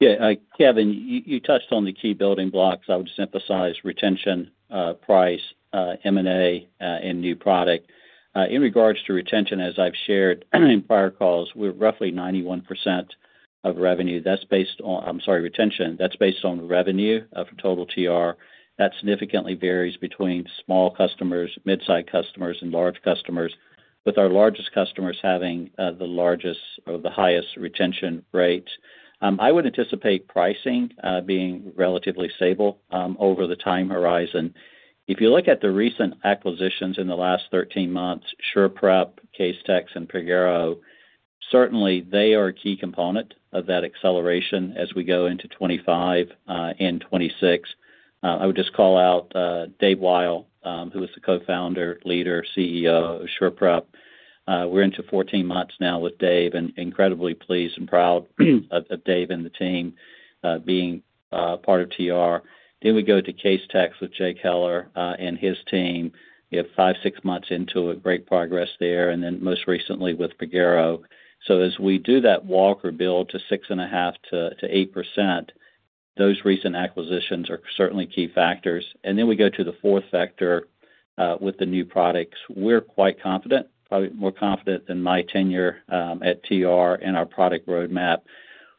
Yeah, Kevin, you touched on the key building blocks. I would just emphasize retention, price, M&A, and new product. In regards to retention, as I've shared in prior calls, we're roughly 91% of revenue. That's based on... I'm sorry, retention, that's based on revenue of total TR. That significantly varies between small customers, mid-size customers, and large customers, with our largest customers having the largest or the highest retention rates. I would anticipate pricing being relatively stable over the time horizon. If you look at the recent acquisitions in the last 13 months, SurePrep, Casetext, and Pagero, certainly they are a key component of that acceleration as we go into 2025 and 2026. I would just call out Dave Wyle, who is the co-founder, leader, CEO of SurePrep. We're into 14 months now with Dave, and incredibly pleased and proud of Dave and the team being part of TR. Then we go to Casetext with Jake Heller and his team. We have five, six months into a great progress there, and then most recently with Pagero. So as we do that walk or build to 6.5%-8%, those recent acquisitions are certainly key factors. And then we go to the fourth factor with the new products. We're quite confident, probably more confident than my tenure at TR and our product roadmap.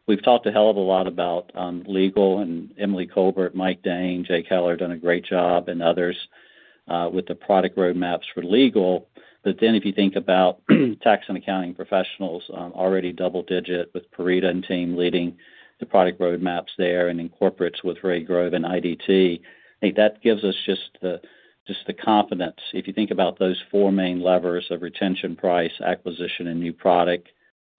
We've talked a hell of a lot about legal, and Emily Colbert, Mike Dahn, Jake Heller done a great job, and others with the product roadmaps for legal. But then if you think about Tax and Accounting professionals, already double digit with Piritta and team leading the product roadmaps there and Corporates with Ray Grove and IDT, I think that gives us just the, just the confidence. If you think about those four main levers of retention, price, acquisition, and new product,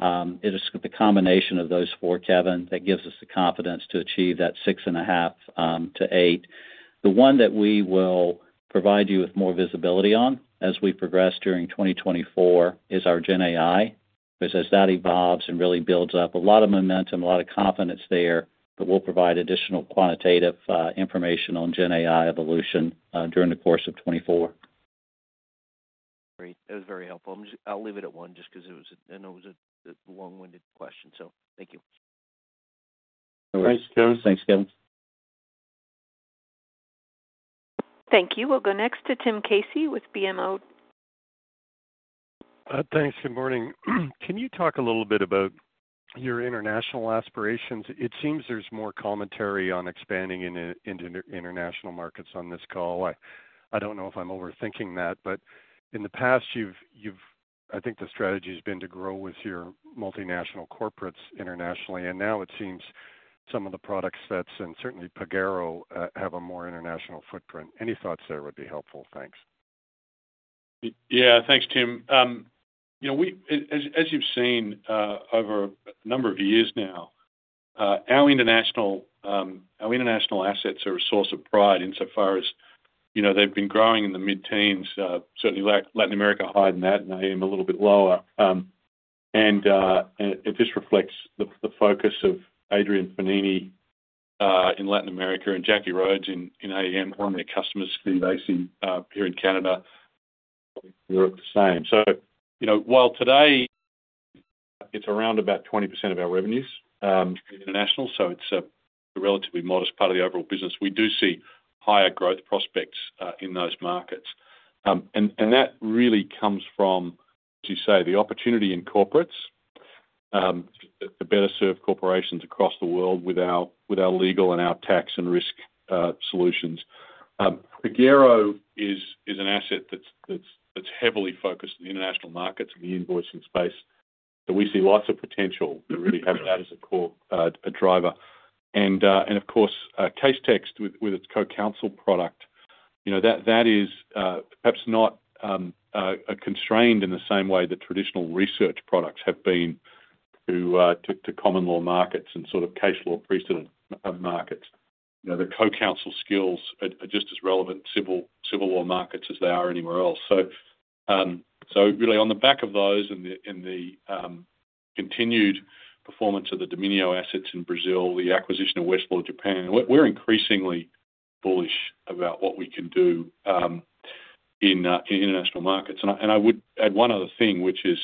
it is the combination of those four, Kevin, that gives us the confidence to achieve that 6.5%-8%. The one that we will provide you with more visibility on as we progress during 2024 is our GenAI. Because as that evolves and really builds up a lot of momentum, a lot of confidence there, that we'll provide additional quantitative information on GenAI evolution during the course of 2024. Great. That was very helpful. I'm just—I'll leave it at one just because it was, I know it was a long-winded question, so thank you. Thanks, Kevin. Thanks, Kevin. Thank you. We'll go next to Tim Casey with BMO. Thanks. Good morning. Can you talk a little bit about your international aspirations? It seems there's more commentary on expanding into international markets on this call. I don't know if I'm overthinking that, but in the past, you've, I think the strategy has been to grow with your multinational corporates internationally, and now it seems some of the product sets, and certainly Pagero, have a more international footprint. Any thoughts there would be helpful. Thanks. Yeah. Thanks, Tim. You know, as you've seen over a number of years now, our international assets are a source of pride insofar as, you know, they've been growing in the mid-teens, certainly Latin America, higher than that, and I am a little bit lower. And it just reflects the focus of Adrian Panini in Latin America and Jackie Rhodes in AEM, one of their customers, customer-facing here in Canada, Europe, the same. So, you know, while today it's around about 20% of our revenues, international, so it's a relatively modest part of the overall business, we do see higher growth prospects in those markets. And that really comes from, as you say, the opportunity in Corporates, to better serve corporations across the world with our legal and our tax and risk solutions. Pagero is an asset that's heavily focused on the international markets and the invoicing space, so we see lots of potential to really have that as a core driver. And of course, Casetext, with its CoCounsel product. You know, that is perhaps not constrained in the same way that traditional research products have been to common law markets and sort of case law precedent markets. You know, the CoCounsel skills are just as relevant civil law markets as they are anywhere else. So, really, on the back of those and the continued performance of the Domínio assets in Brazil, the acquisition of Westlaw Japan, we're increasingly bullish about what we can do in international markets. And I would add one other thing, which is,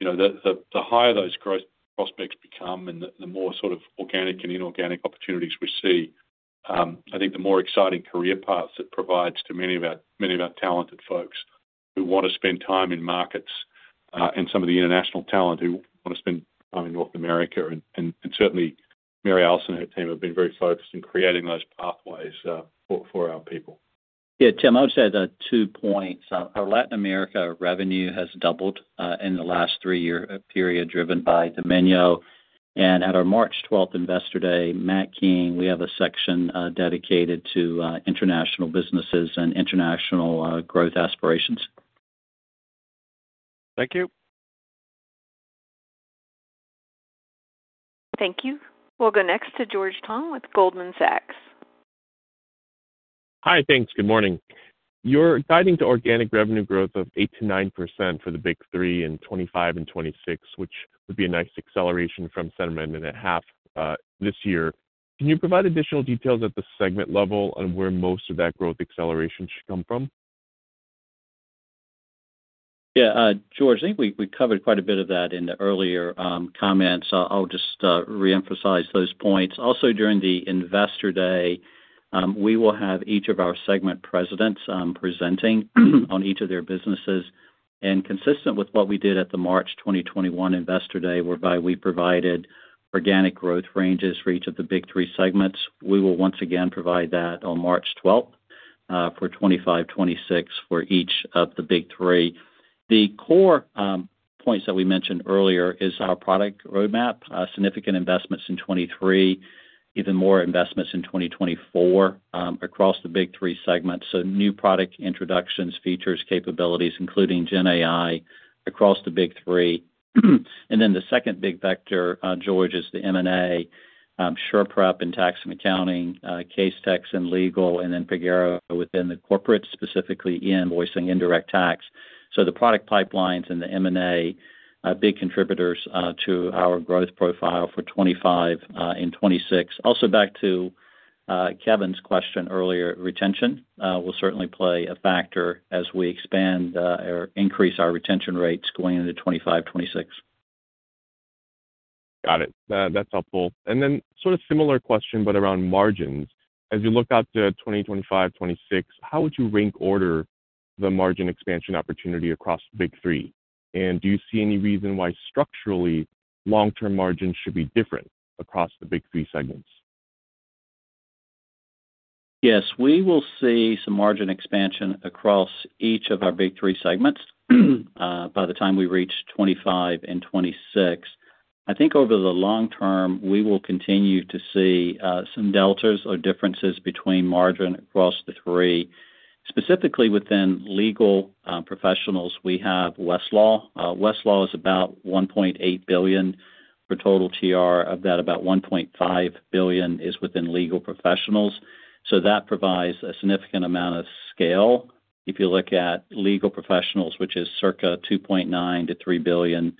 you know, the higher those growth prospects become and the more sort of organic and inorganic opportunities we see, I think the more exciting career paths it provides to many of our talented folks who want to spend time in markets, and some of the international talent who want to spend time in North America. And certainly, Mary Alice and her team have been very focused in creating those pathways for our people. Yeah, Tim, I would say the two points. Our Latin America revenue has doubled in the last three-year period, driven by Domínio. At our March 12th Investor Day, Matt Keen, we have a section dedicated to international businesses and international growth aspirations. Thank you. Thank you. We'll go next to George Tong with Goldman Sachs. Hi, thanks. Good morning. You're guiding to organic revenue growth of 8%-9% for the Big 3 in 2025 and 2026, which would be a nice acceleration from 7.5% this year. Can you provide additional details at the segment level on where most of that growth acceleration should come from? Yeah, George, I think we covered quite a bit of that in the earlier comments. I'll just reemphasize those points. Also, during the Investor Day, we will have each of our segment presidents presenting on each of their businesses. And consistent with what we did at the March 2021 Investor Day, whereby we provided organic growth ranges for each of the Big 3 segments, we will once again provide that on March 12th for 2025, 2026, for each of the Big 3. The core points that we mentioned earlier is our product roadmap, significant investments in 2023, even more investments in 2024, across the Big 3 segments. So new product introductions, features, capabilities, including GenAI, across the Big 3. Then the second big vector, George, is the M&A, SurePrep and Tax and Accounting, Casetext and Legal, and then Pagero within the Corporates, specifically in e-invoicing Indirect Tax. So the product pipelines and the M&A are big contributors to our growth profile for 2025 and 2026. Also, back to Kevin's question earlier, retention will certainly play a factor as we expand or increase our retention rates going into 2025, 2026. Got it. That, that's helpful. And then sort of similar question, but around margins. As you look out to 2025, 2026, how would you rank order the margin expansion opportunity across the Big 3? And do you see any reason why structurally, long-term margins should be different across the Big 3 segments? Yes, we will see some margin expansion across each of our Big 3 segments by the time we reach 2025 and 2026. I think over the long term, we will continue to see some deltas or differences between margin across the three. Specifically, within Legal Professionals, we have Westlaw. Westlaw is about $1.8 billion for total TR. Of that, about $1.5 billion is within Legal Professionals, so that provides a significant amount of scale. If you look at Legal Professionals, which is circa $2.9 billion-$3 billion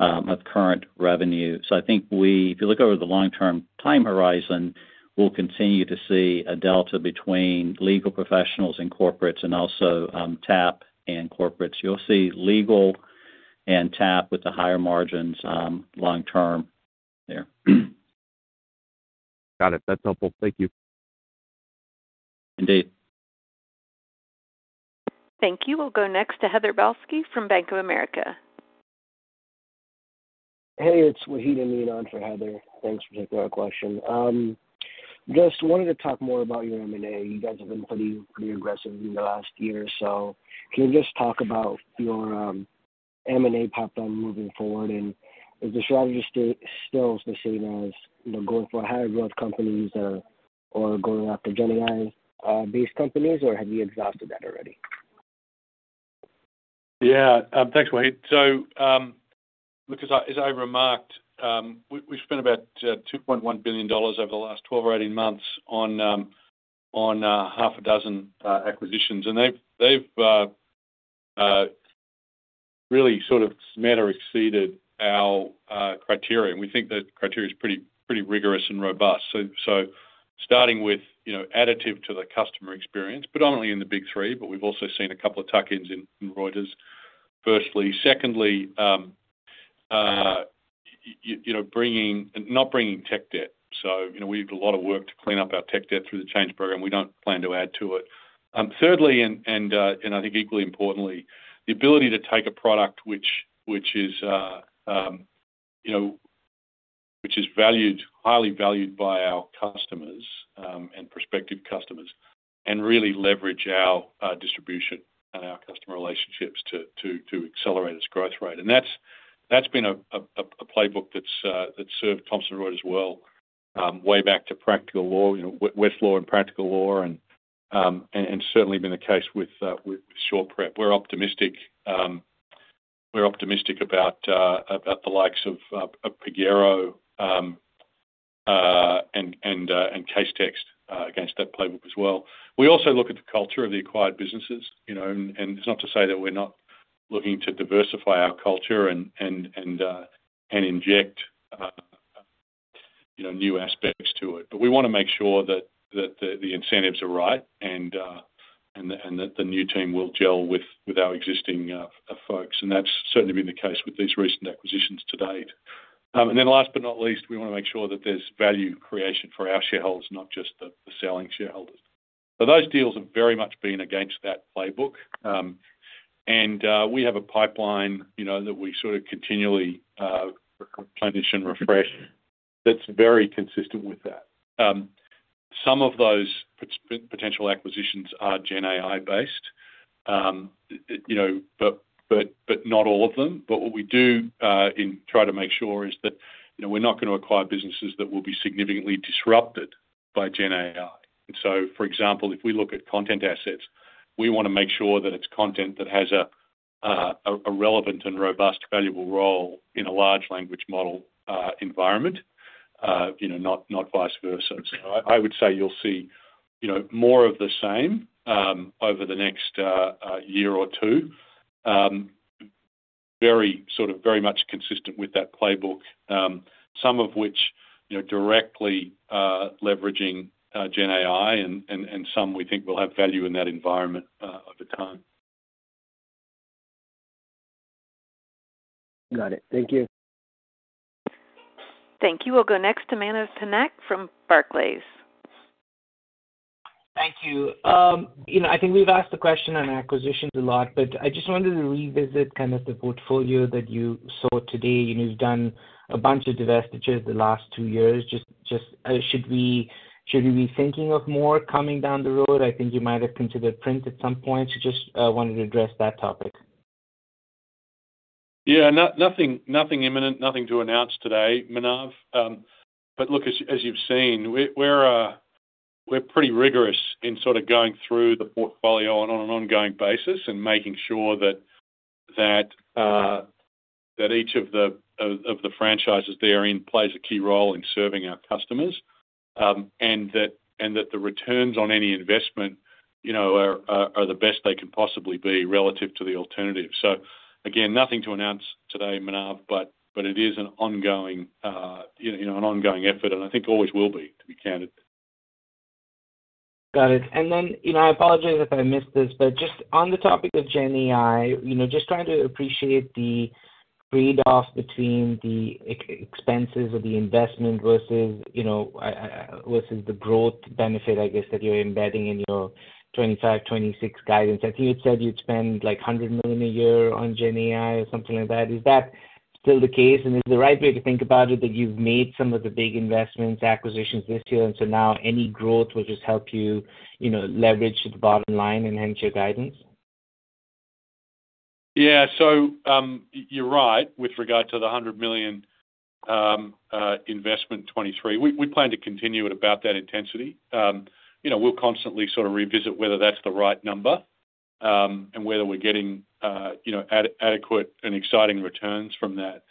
of current revenue. So I think if you look over the long-term time horizon, we'll continue to see a delta between Legal Professionals and Corporates, and also, TAP and Corporates. You'll see Legal and TAP with the higher margins long term there. Got it. That's helpful. Thank you. Indeed. Thank you. We'll go next to Heather Balsky from Bank of America. Hey, it's Wahid Amin on for Heather. Thanks for taking our question. Just wanted to talk more about your M&A. You guys have been pretty, pretty aggressive in the last year, so can you just talk about your M&A pipeline moving forward, and is the strategy still, still the same as, you know, going for higher growth companies or, or going after GenAI-based companies, or have you exhausted that already? Yeah. Thanks, Wahid. So, look, as I remarked, we spent about $2.1 billion over the last 12 or 18 months on six acquisitions, and they've really sort of met or exceeded our criteria, and we think that criteria is pretty rigorous and robust. So, starting with, you know, additive to the customer experience, predominantly in the Big 3, but we've also seen a couple of tuck-ins in Reuters, firstly. Secondly, you know, not bringing tech debt. So, you know, we did a lot of work to clean up our tech debt through the change program. We don't plan to add to it. Thirdly, and I think equally importantly, the ability to take a product which is, you know, which is valued, highly valued by our customers and prospective customers, and really leverage our distribution and our customer relationships to accelerate its growth rate. And that's been a playbook that's served Thomson Reuters well, way back to Practical Law, you know, Westlaw and Practical Law, and certainly been the case with SurePrep. We're optimistic. We're optimistic about the likes of Pagero and Casetext, against that playbook as well. We also look at the culture of the acquired businesses, you know, and it's not to say that we're not looking to diversify our culture and inject, you know, new aspects to it, but we want to make sure that the incentives are right and that the new team will gel with our existing folks. And that's certainly been the case with these recent acquisitions to date. And then last but not least, we want to make sure that there's value creation for our shareholders, not just the selling shareholders. So those deals have very much been against that playbook. And we have a pipeline, you know, that we sort of continually replenish and refresh that's very consistent with that. Some of those potential acquisitions are GenAI-based, you know, but not all of them. But what we do, we try to make sure is that, you know, we're not going to acquire businesses that will be significantly disrupted by GenAI. And so, for example, if we look at content assets, we want to make sure that it's content that has a relevant and robust, valuable role in a large language model environment, you know, not vice versa. So I would say you'll see, you know, more of the same over the next year or two. Very, sort of, very much consistent with that playbook, some of which, you know, directly leveraging GenAI and some we think will have value in that environment over time. Got it. Thank you. Thank you. We'll go next to Manav Patnaik from Barclays. Thank you. You know, I think we've asked the question on acquisitions a lot, but I just wanted to revisit kind of the portfolio that you saw today. You know, you've done a bunch of divestitures the last two years. Just, should we be thinking of more coming down the road? I think you might have considered print at some point. So just wanted to address that topic. Yeah, nothing, nothing imminent, nothing to announce today, Manav. But look, as you've seen, we're pretty rigorous in sort of going through the portfolio on an ongoing basis and making sure that each of the franchises they are in plays a key role in serving our customers. And that the returns on any investment, you know, are the best they can possibly be relative to the alternative. So again, nothing to announce today, Manav, but it is an ongoing, you know, an ongoing effort, and I think always will be, to be candid. Got it. Then, you know, I apologize if I missed this, but just on the topic of GenAI, you know, just trying to appreciate the trade-off between the expenses of the investment versus, you know, versus the growth benefit, I guess, that you're embedding in your 2025, 2026 guidance. I think you said you'd spend, like, $100 million a year on GenAI or something like that. Is that still the case? And is the right way to think about it, that you've made some of the big investments, acquisitions this year, and so now any growth will just help you, you know, leverage the bottom line and hence your guidance? Yeah. So, you're right. With regard to the $100 million investment 2023, we plan to continue at about that intensity. You know, we'll constantly sort of revisit whether that's the right number, and whether we're getting, you know, adequate and exciting returns from that.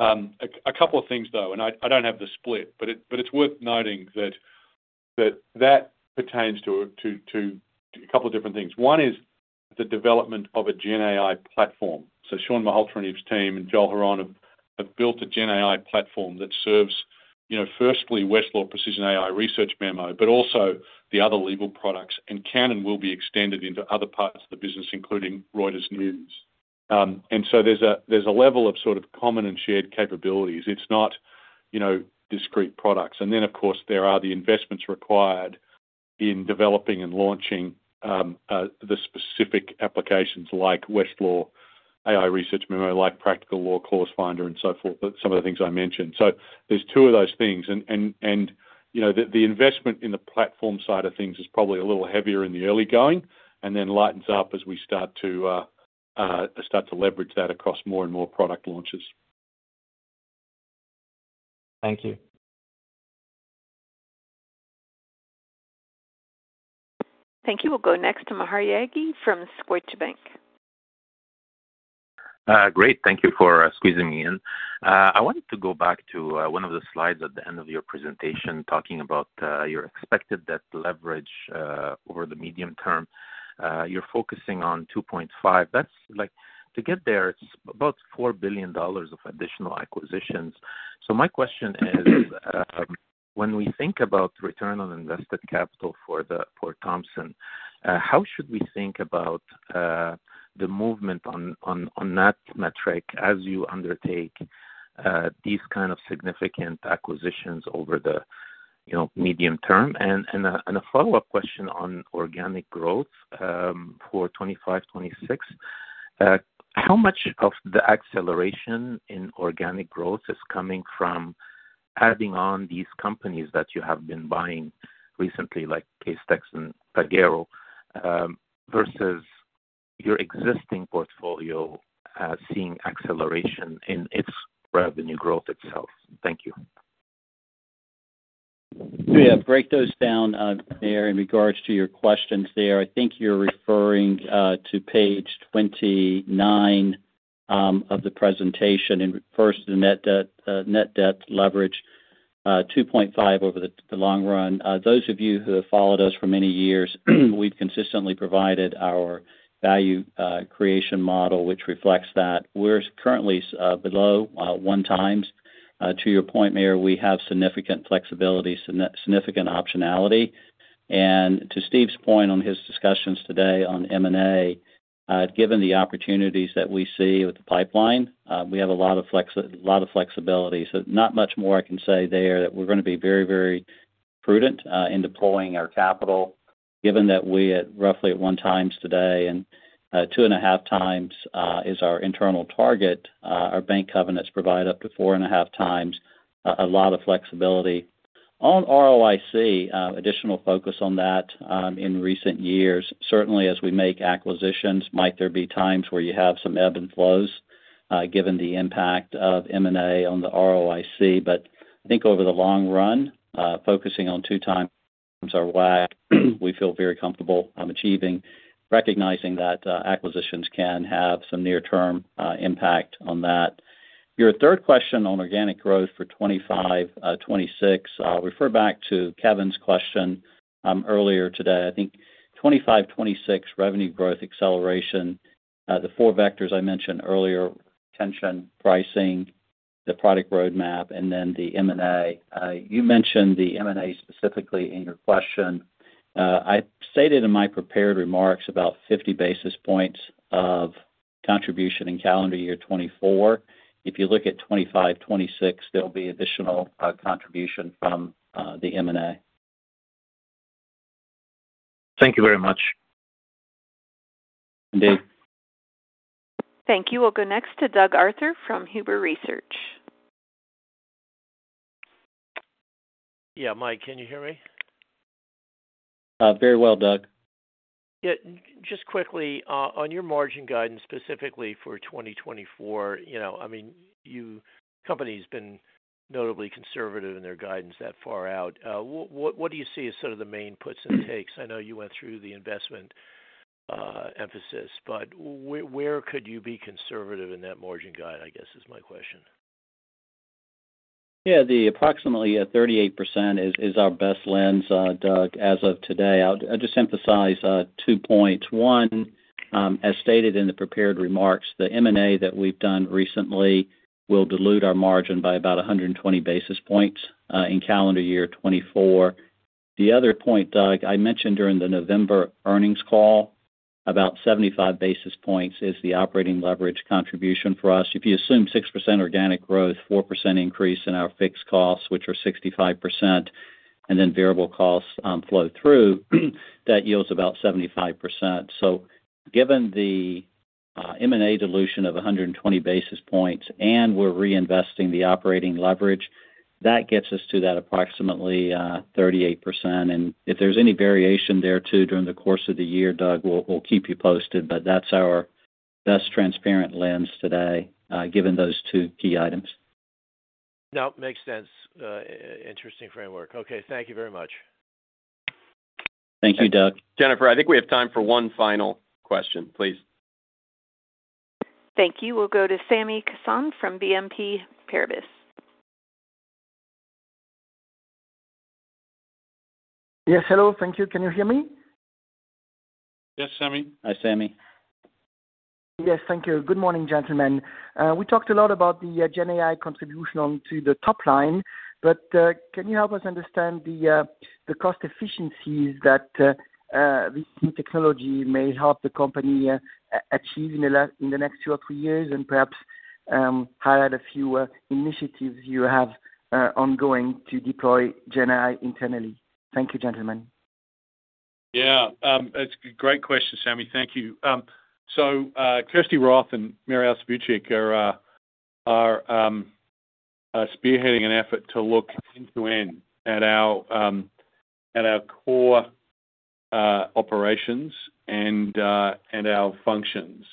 A couple of things, though, and I don't have the split, but it's worth noting that that pertains to a couple of different things. One is the development of a GenAI platform. So Shawn Malhotra and his team and Joel Hron have built a GenAI platform that serves, you know, firstly, Westlaw Precision AI Research Memo, but also the other legal products, and can and will be extended into other parts of the business, including Reuters News. And so there's a, there's a level of sort of common and shared capabilities. It's not, you know, discrete products. And then, of course, there are the investments required in developing and launching the specific applications like Westlaw, AI Research Memo, like Practical Law, Clause Finder, and so forth, but some of the things I mentioned. So there's two of those things, and, and, and, you know, the, the investment in the platform side of things is probably a little heavier in the early going and then lightens up as we start to start to leverage that across more and more product launches. Thank you. Thank you. We'll go next to Maher Yaghi from Scotiabank. Great. Thank you for squeezing me in. I wanted to go back to one of the slides at the end of your presentation, talking about your expected debt leverage over the medium term. You're focusing on 2.5x. That's like - to get there, it's about $4 billion of additional acquisitions. So my question is, when we think about return on invested capital for the, for Thomson, how should we think about the movement on that metric as you undertake these kind of significant acquisitions over the, you know, medium term? And a follow-up question on organic growth, for 2025, 2026. How much of the acceleration in organic growth is coming from-... Adding on these companies that you have been buying recently, like Casetext and Pagero, versus your existing portfolio, seeing acceleration in its revenue growth itself. Thank you. Yeah, break those down, Maher, in regards to your questions there. I think you're referring to page 29 of the presentation. First, the net debt leverage 2.5x over the long run. Those of you who have followed us for many years, we've consistently provided our value creation model, which reflects that. We're currently below 1x. To your point, Maher, we have significant flexibility, significant optionality. To Steve's point on his discussions today on M&A, given the opportunities that we see with the pipeline, we have a lot of flexibility. So not much more I can say there, that we're gonna be very, very prudent in deploying our capital, given that we are roughly at 1x today, and 2.5x is our internal target. Our bank covenants provide up to 4.5x, a lot of flexibility. On ROIC, additional focus on that in recent years. Certainly, as we make acquisitions, might there be times where you have some ebb and flows, given the impact of M&A on the ROIC. But I think over the long run, focusing on 2x is why we feel very comfortable on achieving, recognizing that acquisitions can have some near-term impact on that. Your third question on organic growth for 2025, 2026, I'll refer back to Kevin's question earlier today. I think 2025, 2026 revenue growth acceleration, the four vectors I mentioned earlier: retention, pricing, the product roadmap, and then the M&A. You mentioned the M&A specifically in your question. I stated in my prepared remarks about 50 basis points of contribution in calendar year 2024. If you look at 2025, 2026, there'll be additional contribution from the M&A. Thank you very much. Indeed. Thank you. We'll go next to Doug Arthur from Huber Research. Yeah, Mike, can you hear me? Very well, Doug. Yeah. Just quickly, on your margin guidance, specifically for 2024, you know, I mean, you... the company's been notably conservative in their guidance that far out. What, what do you see as sort of the main puts and takes? I know you went through the investment emphasis, but where, where could you be conservative in that margin guide, I guess, is my question? Yeah, the approximately 38% is, is our best lens, Doug, as of today. I'll, I'll just emphasize two points. One, as stated in the prepared remarks, the M&A that we've done recently will dilute our margin by about 120 basis points in calendar year 2024. The other point, Doug, I mentioned during the November earnings call, about 75 basis points is the operating leverage contribution for us. If you assume 6% organic growth, 4% increase in our fixed costs, which are 65%, and then variable costs flow through, that yields about 75%. So given the M&A dilution of 120 basis points, and we're reinvesting the operating leverage, that gets us to that approximately 38%. If there's any variation there, too, during the course of the year, Doug, we'll keep you posted, but that's our best transparent lens today, given those two key items. Nope, makes sense. Interesting framework. Okay, thank you very much. Thank you, Doug. Jennifer, I think we have time for one final question, please. Thank you. We'll go to Sami Kassab from BNP Paribas. Yes, hello. Thank you. Can you hear me? Yes, Sami. Hi, Sami. Yes, thank you. Good morning, gentlemen. We talked a lot about the GenAI contribution onto the top line, but can you help us understand the cost efficiencies that this new technology may help the company achieve in the next two or three years, and perhaps highlight a few initiatives you have ongoing to deploy GenAI internally? Thank you, gentlemen. Yeah, it's a great question, Sami. Thank you. So, Kirsty Roth and Mary Alice Vuicic are spearheading an effort to look end-to-end at our core operations and our functions,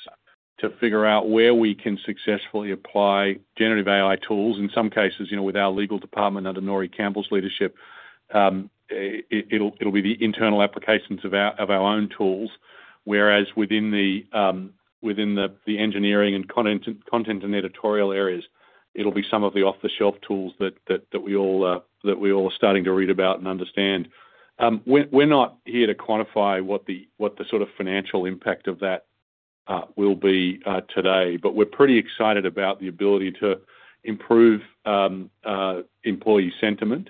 to figure out where we can successfully apply generative AI tools. In some cases, you know, with our legal department under Norie Campbell's leadership, it'll be the internal applications of our own tools, whereas within the engineering and content and editorial areas, it'll be some of the off-the-shelf tools that we all are starting to read about and understand. We're not here to quantify what the sort of financial impact of that will be today, but we're pretty excited about the ability to improve employee sentiment,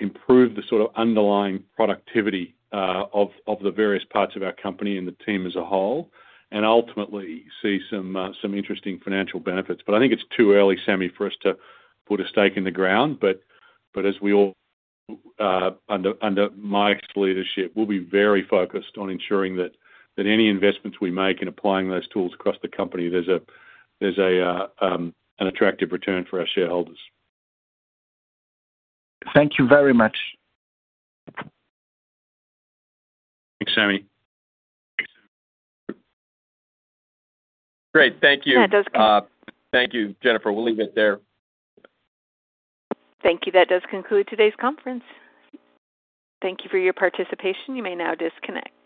improve the sort of underlying productivity of the various parts of our company and the team as a whole, and ultimately see some interesting financial benefits. But I think it's too early, Sami, for us to put a stake in the ground. But as we all, under Mike's leadership, we'll be very focused on ensuring that any investments we make in applying those tools across the company, there's an attractive return for our shareholders. Thank you very much. Thanks, Sami. Great. Thank you. Yeah, it does- Thank you, Jennifer. We'll leave it there. Thank you. That does conclude today's conference. Thank you for your participation. You may now disconnect.